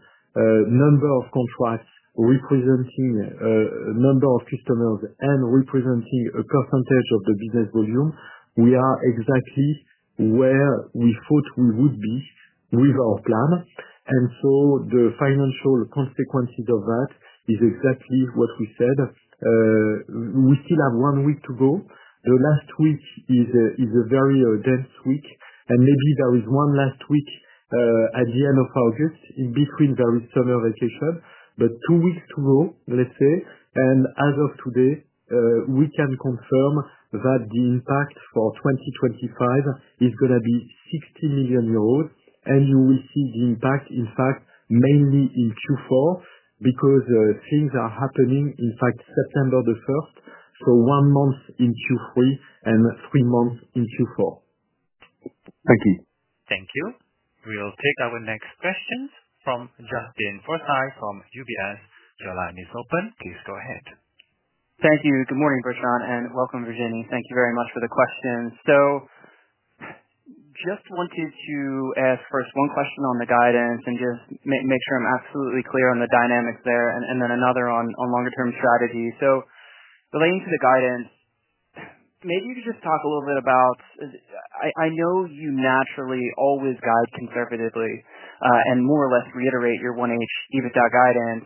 number of contracts, representing a number of customers and representing a percentage of the business volume, we are exactly where we thought we would be with our plan. The financial consequences of that is exactly what we said. We still have one week to go. The last week is a very dense week and maybe there is one last week at the end of August in between, very summer vacation. Two weeks to go, let's say. As of today we can confirm that the impact for 2025 is going to be 60 million euros. You will see the impact in fact mainly in Q4 because things are happening in fact September 1st. One month in Q3 and three months in Q4. Thank you. Thank you. We'll take our next question from Justin Forsythe from UBS. Your line is open. Please go ahead. Thank you. Good morning, Bertrand, and welcome Virginie, thank you very much for the question. I just wanted to ask first one question on the guidance and just make sure I'm absolutely clear on the dynamics there. Then another on longer term strategy. Relating to the guidance, maybe you could just talk a little bit about it. I know you naturally always guide conservatively and more or less reiterate your 1H EBITDA guidance.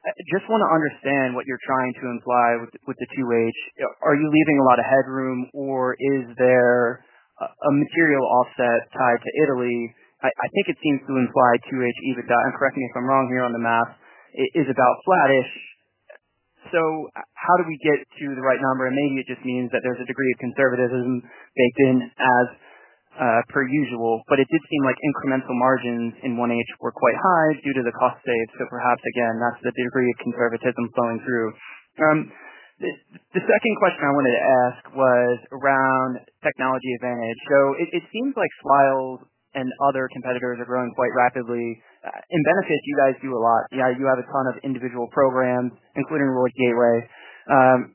I just want to understand what you're trying to imply with this. With the 2H, are you leaving a lot of headroom or is there a material offset tied to Italy? I think it seems to imply 2H EBITDA, and correct me if I'm wrong here, on the math is about flattish. How do we get to the right number? Maybe it just means that there's a degree of conservatism baked in as per usual, but it did seem like incremental margins in 1H were quite high due to the cost saved. Perhaps again, that's the degree of conservatism flowing through. The second question I wanted to ask was around Technology Advantage. It seems like Swile and other competitors are growing quite rapidly in Benefits, you guys do a lot. You have a ton of individual programs, including Reward Gateway.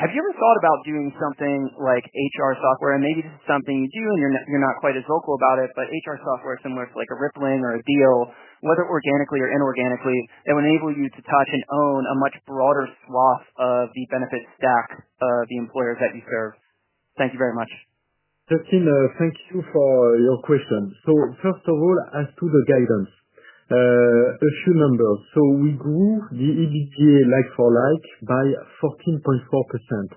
Have you ever thought about doing something like HR software? Maybe this is something you do and you're not quite as vocal about it, but HR software similar to like a Rippling or a Deel, whether organically or inorganically, that will enable you to touch and own a much broader swath of the benefits stack of the employers that you serve. Thank you very much, Justin. Thank you for your question. First of all, as to the guidance, a few numbers. We grew the EBITDA like-for-like by 14.4%.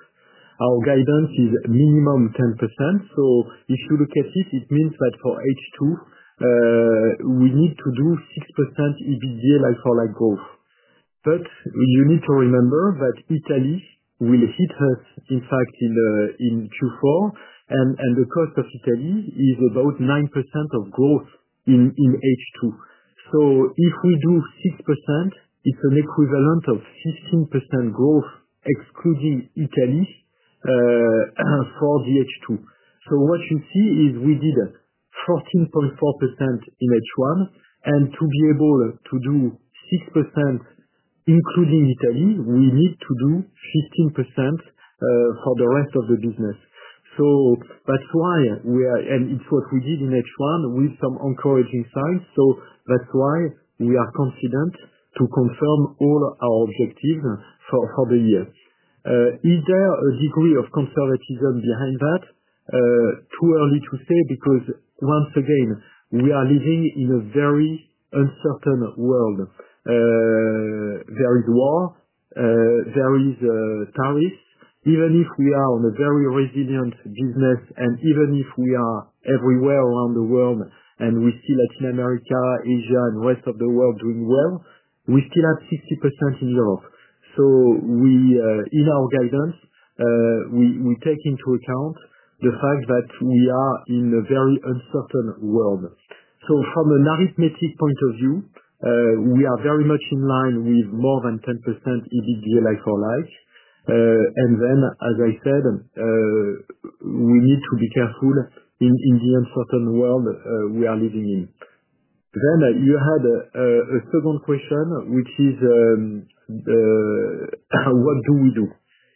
Our guidance is minimal. If you look at it, it means that for H2 we need to do 6% EBITDA growth. You need to remember that Italy will hit us, in fact in Q4. The cost of Italy is about 9% of growth in H2. If we do 6%, it's an equivalent of 15% growth excluding Italy for H2. What you see is we did 14.4% in H1, and to be able to do 6% including Italy, we need to do 15% for the rest of the business. That's why it's what we did in H1 with some encouraging signs. That's why we are confident to confirm all our objectives for the year. Is there a degree of conservatism behind that? Too early to say. Once again, we are living in a very uncertain world. There is war, there are tariffs, even if we are on a very resilient business. Even if we are everywhere around the world and we see Latin America, Asia, and Rest of the World doing well, we still have 60% in Europe. In our guidance we take into account the fact that we are in a very uncertain world. From an arithmetic point of view, we are very much in line with more than 10% EBITDA like-for-like. As I said, we need to be careful in the uncertain world we are living in. You had a second question, which is what do we do?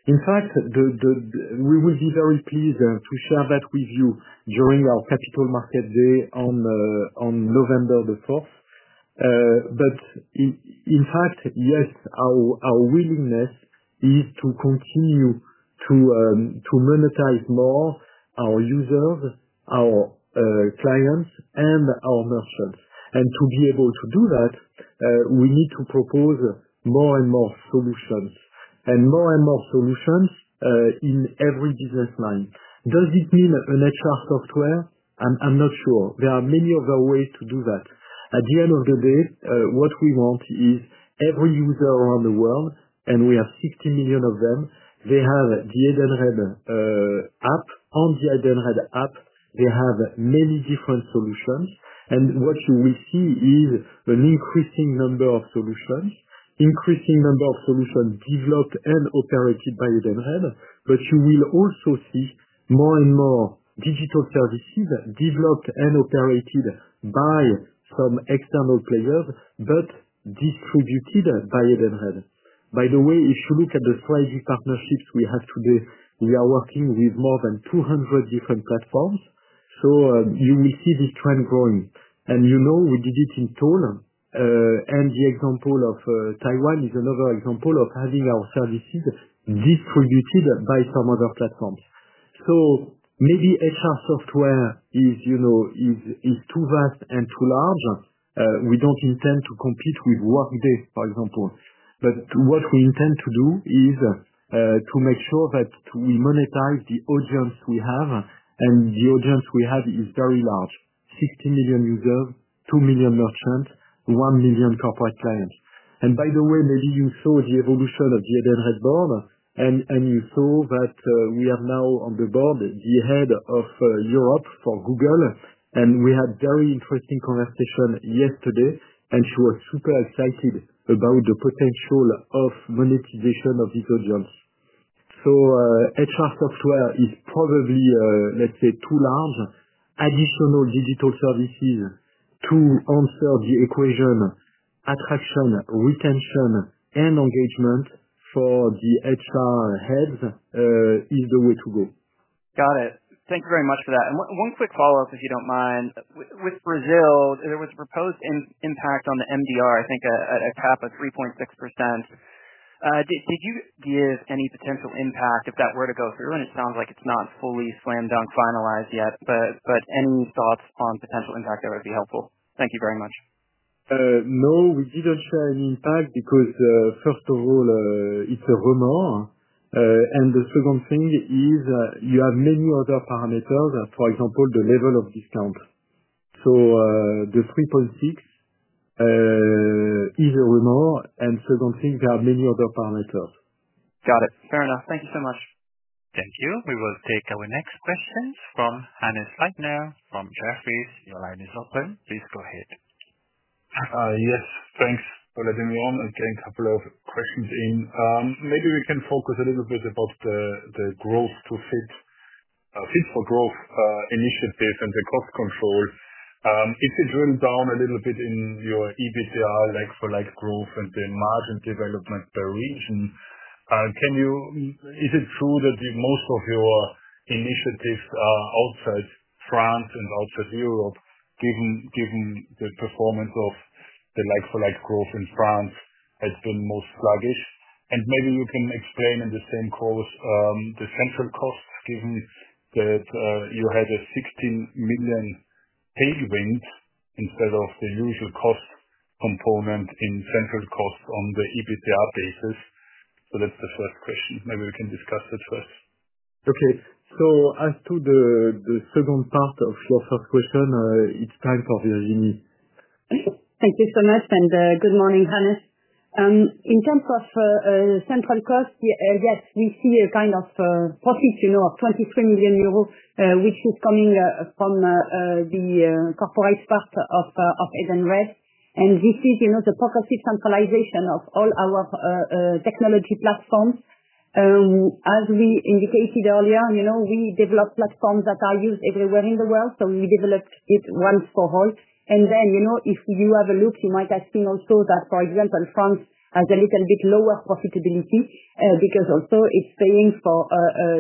We will be very pleased to share that with you during our Capital Market Day on November 4th. In fact, yes, our willingness is to continue to monetize more our users, our clients, and our merchants. To be able to do that, we need to propose more and more solutions and more and more solutions in every business line. Does it mean an HR software? I'm not sure. There are many other ways to do that. At the end of the day, what we want is every user around the world, and we have 60 million of them. They have the Edenred app. They have many different solutions. What you will see is an increasing number of solutions, increasing number of solutions developed and operated by Edenred. You will also see more and more digital services developed and operated by some external players, but distributed by Edenred. By the way, if you look at the partnerships we have today, we are working with more than 200 different platforms. You will see this trend growing. You know, we did it in toll. The example of Taiwan is another example of having our services distributed by some other platforms. Maybe HR software is too vast and too large. We don't intend to compete with Workday, for example, but what we intend to do is to make sure that we monetize the audience we have. The audience we have is very large, 60 million users, 2 million merchants, 1 million corporate clients. By the way, maybe you saw the evolution of Edenred and you saw that we are now on the board the Head of Europe for Google, and we had a very interesting conversation yesterday. She was super excited about the potential of monetization of this audience. HR software is probably, let's say, too large. Additional digital services to answer the equation. Attraction, retention, and engagement for the HR head is the way to go. Got it. Thank you very much for that. One quick follow up if you don't mind. With Brazil, there was a proposed impact on the MDR. I think a cap of 3.6%. Did you give any potential impact if that were to go through? It sounds like it's not fully slam dunk finalized yet, but any thoughts on potential impact. That would be helpful. Thank you very much. No, we didn't share any impact because first of all it's a rumor. The second thing is you have many other parameters. For example, the level of discount, so the 3.6 is a remote. The second thing, there are many other parameters. Got it. Fair enough. Thank you so much. Thank you. We will take our next question from Hannes Leitner from Jefferies, your line is open. Please go ahead. Yes, thanks for letting me on. A couple of questions. Maybe we can focus a little bit about the growth to Fit for Growth initiatives and the cost control. If you drill down a little bit in your EBITDA like-for-like growth and the margin development per region, can you. Is it true that most of your initiatives are outside France and outside Europe, given the performance of the like-for-like growth in France has been most sluggish, and maybe you can explain in the same course the central costs given that you had a 16 million tailwind instead of the usual cost component in central cost on the EBITDA basis. That's the first question. Maybe we can discuss it first. Okay, as to the second part of your first question, it's time for Virginie. Thank you so much and good morning. Hannes. In terms of central cost, yes, we see a kind of profit, you know, of 23 million euros, which is coming from the corporate part of Edenred. This is the progressive centralization of all our technology platforms. As we indicated earlier, we develop platforms that are used everywhere in the world. We developed it once for all if you have a look. You might have seen also that, for example, France has a little bit lower profitability because also it's paying for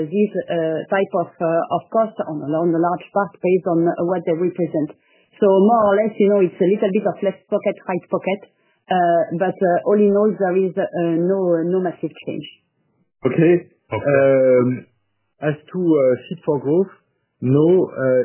these types of costs on the large part based on what they represent. More or less, it's a little bit of left pocket, right pocket. All in all, there is no massive change. Okay. As to Fit for Growth, no,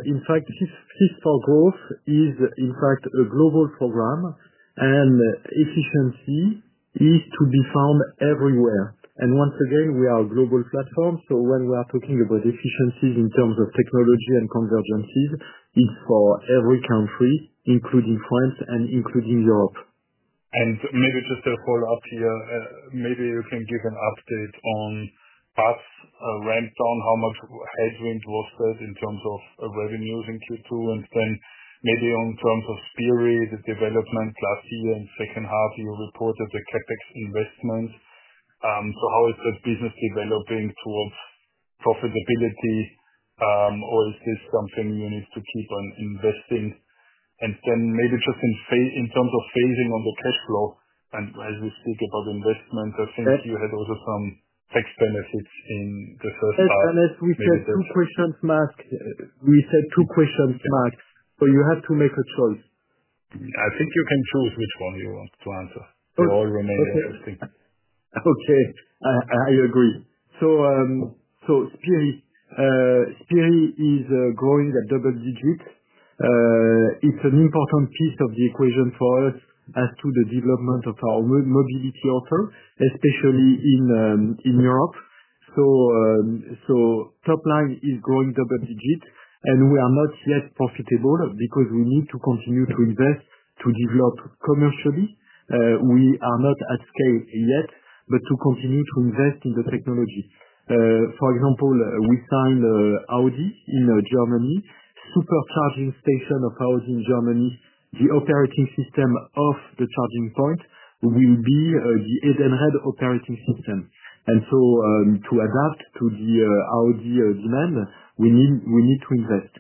in fact Fit for Growth is in fact a global program and efficiency is to be found everywhere. Once again, we are a global platform. When we are talking about efficiencies in terms of technology and convergences, it is for every country, including France and including Europe. Maybe just a follow up here, maybe you can give an update on BaaS ramp down, how much headwind was there in terms of revenues in Q2? Maybe in terms of Spirii, the development last year in the second half you reported the CapEx investment. How is that business developing towards profitability? Is this something you need to keep on investing in, and maybe just in terms of phasing on the cash flow and as we speak about investment, I think you had also some tax benefits in the first half. We said two questions, Mark. You have to make a choice. I think you can choose which one you want to answer. They all remain the same. Okay, I agree. Spirii is growing at double digits. It's an important piece of the equation for us as to the development of our Mobility offer, especially in Europe. Top line is growing double digits and we are not yet profitable because we need to continue to invest, to develop commercially. We are not at scale yet, but need to continue to invest in the technology. For example, we signed Audi in Germany, supercharging station of Audi in Germany. The operating system of the charging point will be the Edenred operating system. To adapt to the Audi demand, we need to invest.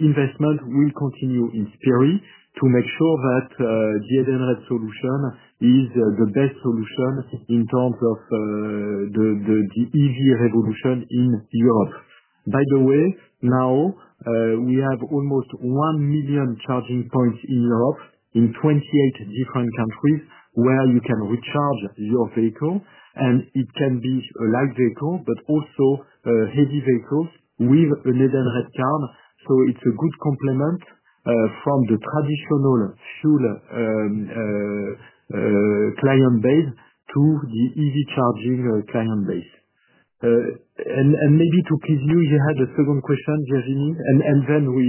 Investment will continue in theory to make sure that the Edenred solution is the best solution in terms of the EV revolution in Europe. By the way, now we have almost 1 million charging points in Europe in 28 different countries where you can recharge your vehicle and it can be a light vehicle, but also heavy vehicles with an Edenred card. It's a good complement from the traditional fuel client base to the easy charging client base. Maybe to please you, you had a second question, Virginie. Then we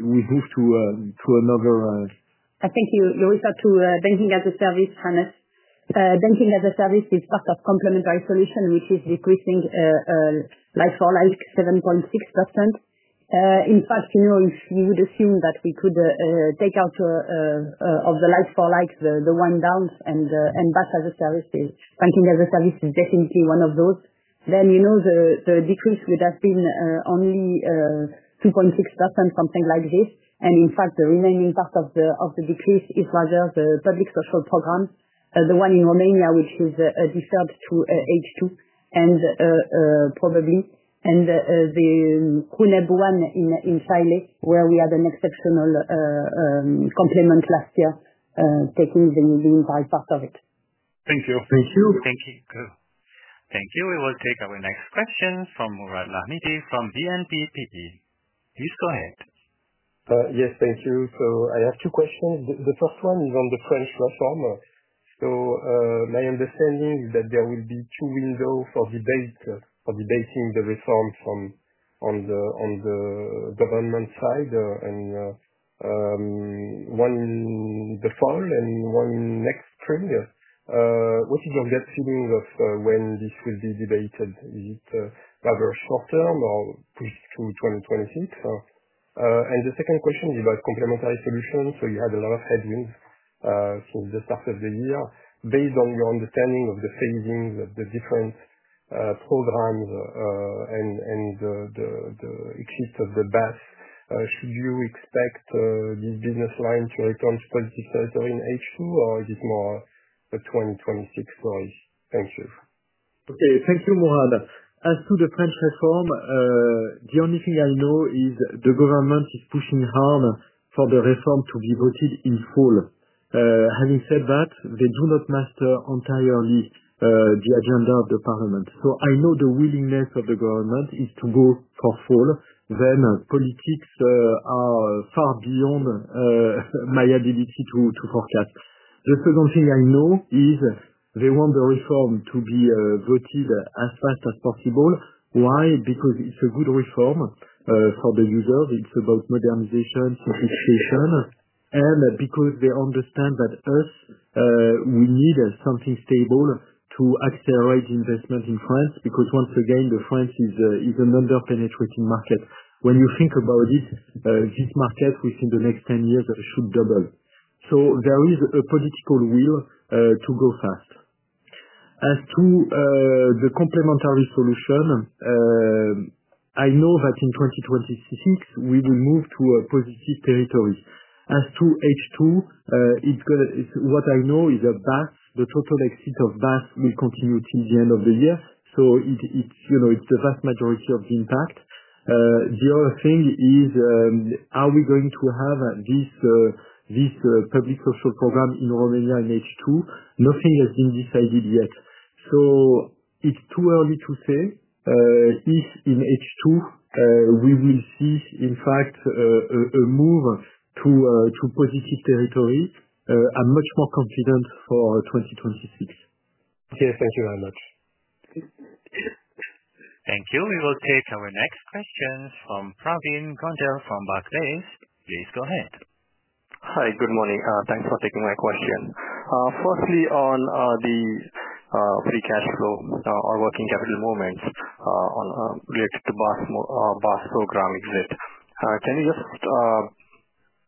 move to another. I think you referred to Banking-as-a-Service, Hannes. Banking-as-a-Service is part of Complementary Solutions, which is decreasing like-for-like 7.6%. In fact, if you would assume that we could take out of the like-for-like the wind downs and BaaS as a Service, Banking-as-a-Service is definitely one of those. The decrease would have been only 2.6%, something like this. The remaining part of the decrease is rather the public social program, the one in Romania which is deferred to H2, and [AUDIO DISTORTION] in Chile where we had an exceptional complement last year, taking the entire part of it. Thank you. Thank you, thank you, thank you. We will take our next question from Mourad Lahmidi from BNP PE. Please go ahead. Yes, thank you. I have two questions. The first one is on the French reformer. My understanding is that there will be two windows for debating the reforms on the government side, one before and one next trillion. What is your gut feeling of when this will be debated, is it rather short term or pushed to 2026? The second question is about Complementary Solutions. You had a lot of headwinds since the start of the year. Based on your understanding of the phasing of the different programs and the exit of the BaaS, should you expect this business line to return to positive territory in H2 or is it more a 2026 story? Thank you. Okay, thank you, Mourad. As to the French reform, the only thing I know is the government is pushing hard for the reform to be voted in full. Having said that, they do not master entirely the agenda of the parliament. I know the willingness of the government is to go for full, then politics are far beyond my ability to forecast. The second thing I know is they want the reform to be voted as fast as possible. Why? Because it's a good reform for the users. It's about modernization, sophistication, and because they understand that us, we need something stable to accelerate investment in France. Once again, France is an underpenetrating market. When you think about it, this market within the next 10 years should double. There is a political will to go fast. As to the Complementary Solutions, I know that in 2026 we will move to a positive territory. As to H2, what I know is that BaaS, the total exit of BaaS, will continue till the end of the year. It's the vast majority of the impact. The other thing is, are we going to have this public social program in Romania in H2? Nothing has been decided yet, so it's too early to say if in H2 we will see in fact a move to positive territory. I'm much more confident for 2026. Okay, thank you very much. Thank you. We will take our next question from Pravin Gondhale from Barclays. Please go ahead. Hi, good morning. Thanks for taking my question. Firstly, on the free cash flow or working capital movements related to BaaS program exit, can you just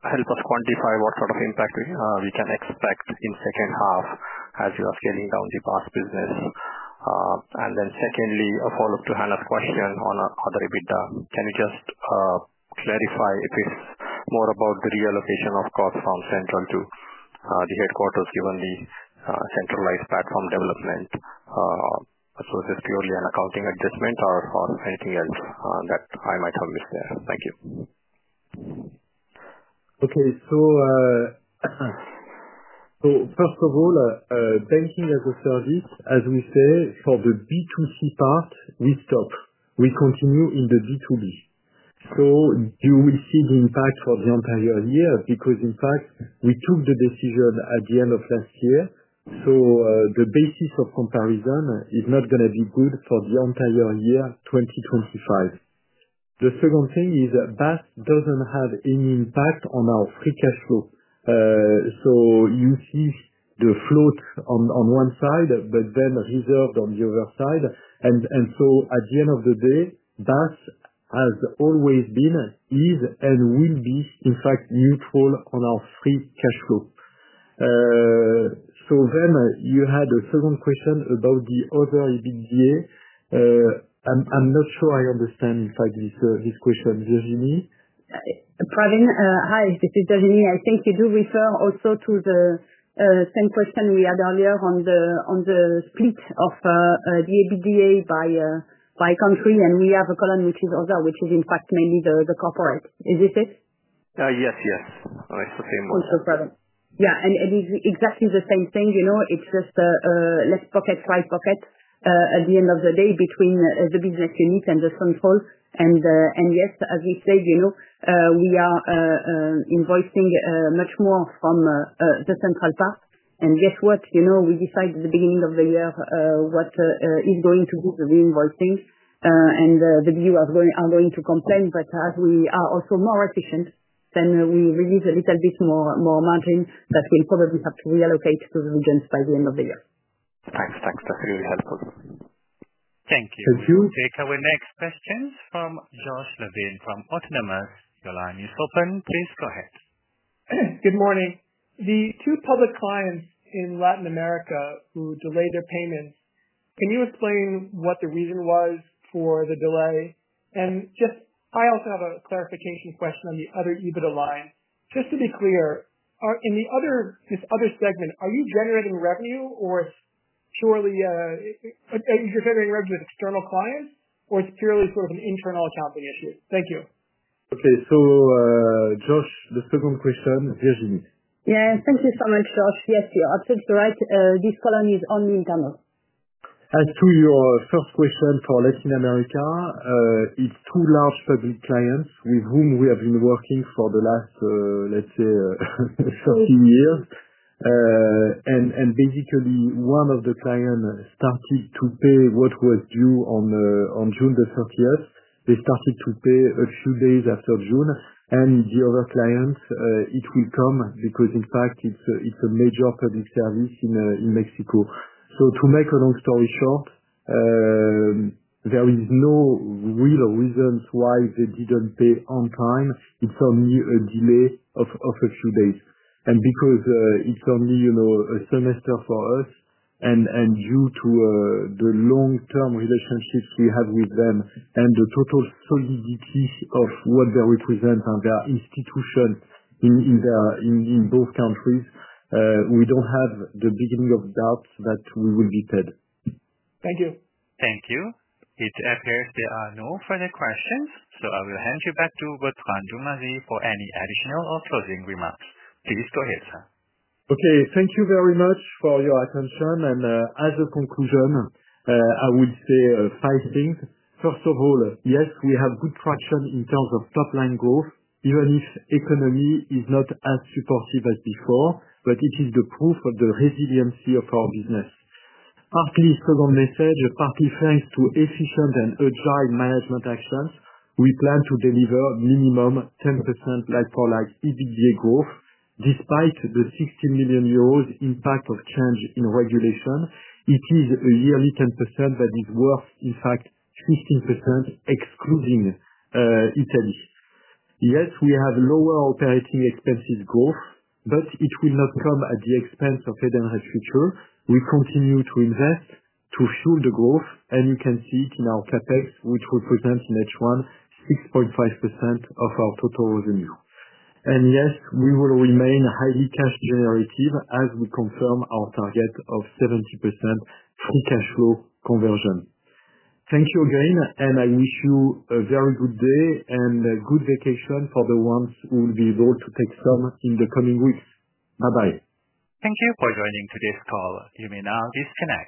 help us quantify what sort of impact we can expect in the second half as you are scaling down the BaaS business? Secondly, a follow up to Hannes' question on other EBITDA. Can you just clarify if it's more about the reallocation of cross-firm central to the headquarters given the centralized platform development? Is this purely an accounting adjustment or anything else that I might have missed there? Thank you. Okay, so first of all, Banking-as-a-Service, as we say for the B2C part, we stop, we continue in the B2B. You will see the impact for the entire year because in fact we took the decision at the end of last year. The basis of comparison is not going to be good for the entire year 2025. The second thing is BaaS doesn't have any impact on our free cash flow. You see the float on one side, but then reserved on the other side. At the end of the day, BaaS has always been, is, and will be in fact neutral on our free cash flow. You had a second question about the other EBITDA. I'm not sure I understand, in fact, this question, Virginie. Pravin, hi, this is Virginie. I think you do refer also to the same question we had earlier on the split of the EBITDA by country. We have a column which is other, which is in fact mainly the corporate. Is this it? Yes, yes, it's the same one. Yeah, exactly the same thing. It's just, let's pocket side pocket at the end of the day between the business unit and the central. Yes, as we said, we are invoicing much more from the central part. Guess what, we decide at the beginning of the year what is going to be the reinvoicing, and the BU are going to complain that as we are also more efficient, then we release a little bit more margin that we'll probably have to reallocate to the regions by the end of the year. Thanks. Thanks. Really helpful. Thank you. Could you take our next questions from Josh Levin from Autonomous? Your line is open. Please go ahead. Good morning. The two public clients in Latin America who delay their payments, can you explain what the reason was for the delay? I also have a clarification question on the other EBITDA line. Just to be clear, in the other, this Other segment, are you generating revenue or purely are you generating revenues with external clients? Or it's purely sort of an internal accounting issue? Thank you. Okay, Josh, the second question. Virginie. Yes, thank you so much, Josh. Yes, you're absolutely right. This column is only in internal. As to your first question for Latin America, it's two large public clients with whom we have been working for the last, let's say, 13 years. Basically, one of the clients started to pay what was due on June 30. They started to pay a few days after June. The other client, it will come because in fact it's a major public service in Mexico. To make a long story short, there is no real reason why they didn't pay on time, it's only a delay of a few days. Because it's only a semester for us, and due to the long-term relationships we have with them and the total solidity of what they represent and their institution in both countries, we don't have the beginning of doubt that we will be paid. Thank you. Thank you. It appears there are no further questions, so I will hand you back to Bertrand Dumazy for any additional or closing remarks. Please go ahead, sir. Okay, thank you very much for your attention. As a conclusion, I would say five things. First of all, yes, we have good traction in terms of top line growth even if the economy is not as supportive as before, but it is the proof of the resiliency of our business. Partly second message, partly thanks to efficient and agile management actions, we plan to deliver minimum 10% like-for-like EBITDA growth despite the 60 million euros impact of change in regulation. It is a yearly 10% that is worth in fact 15% excluding Italy. Yes, we have lower operating expenses growth, but it will not come at the expense of Edenred's future. We continue to invest to fuel the growth and you can see it in our CapEx, which represents in H1, 6.5% of our total revenue. Yes, we will remain highly cash generative as we confirm our target of 70% free cash flow conversion. Thank you again and I wish you a very good day and good vacation for the ones who will be able to take some in the coming weeks. Bye bye. Thank you for joining today's call. You may now disconnect.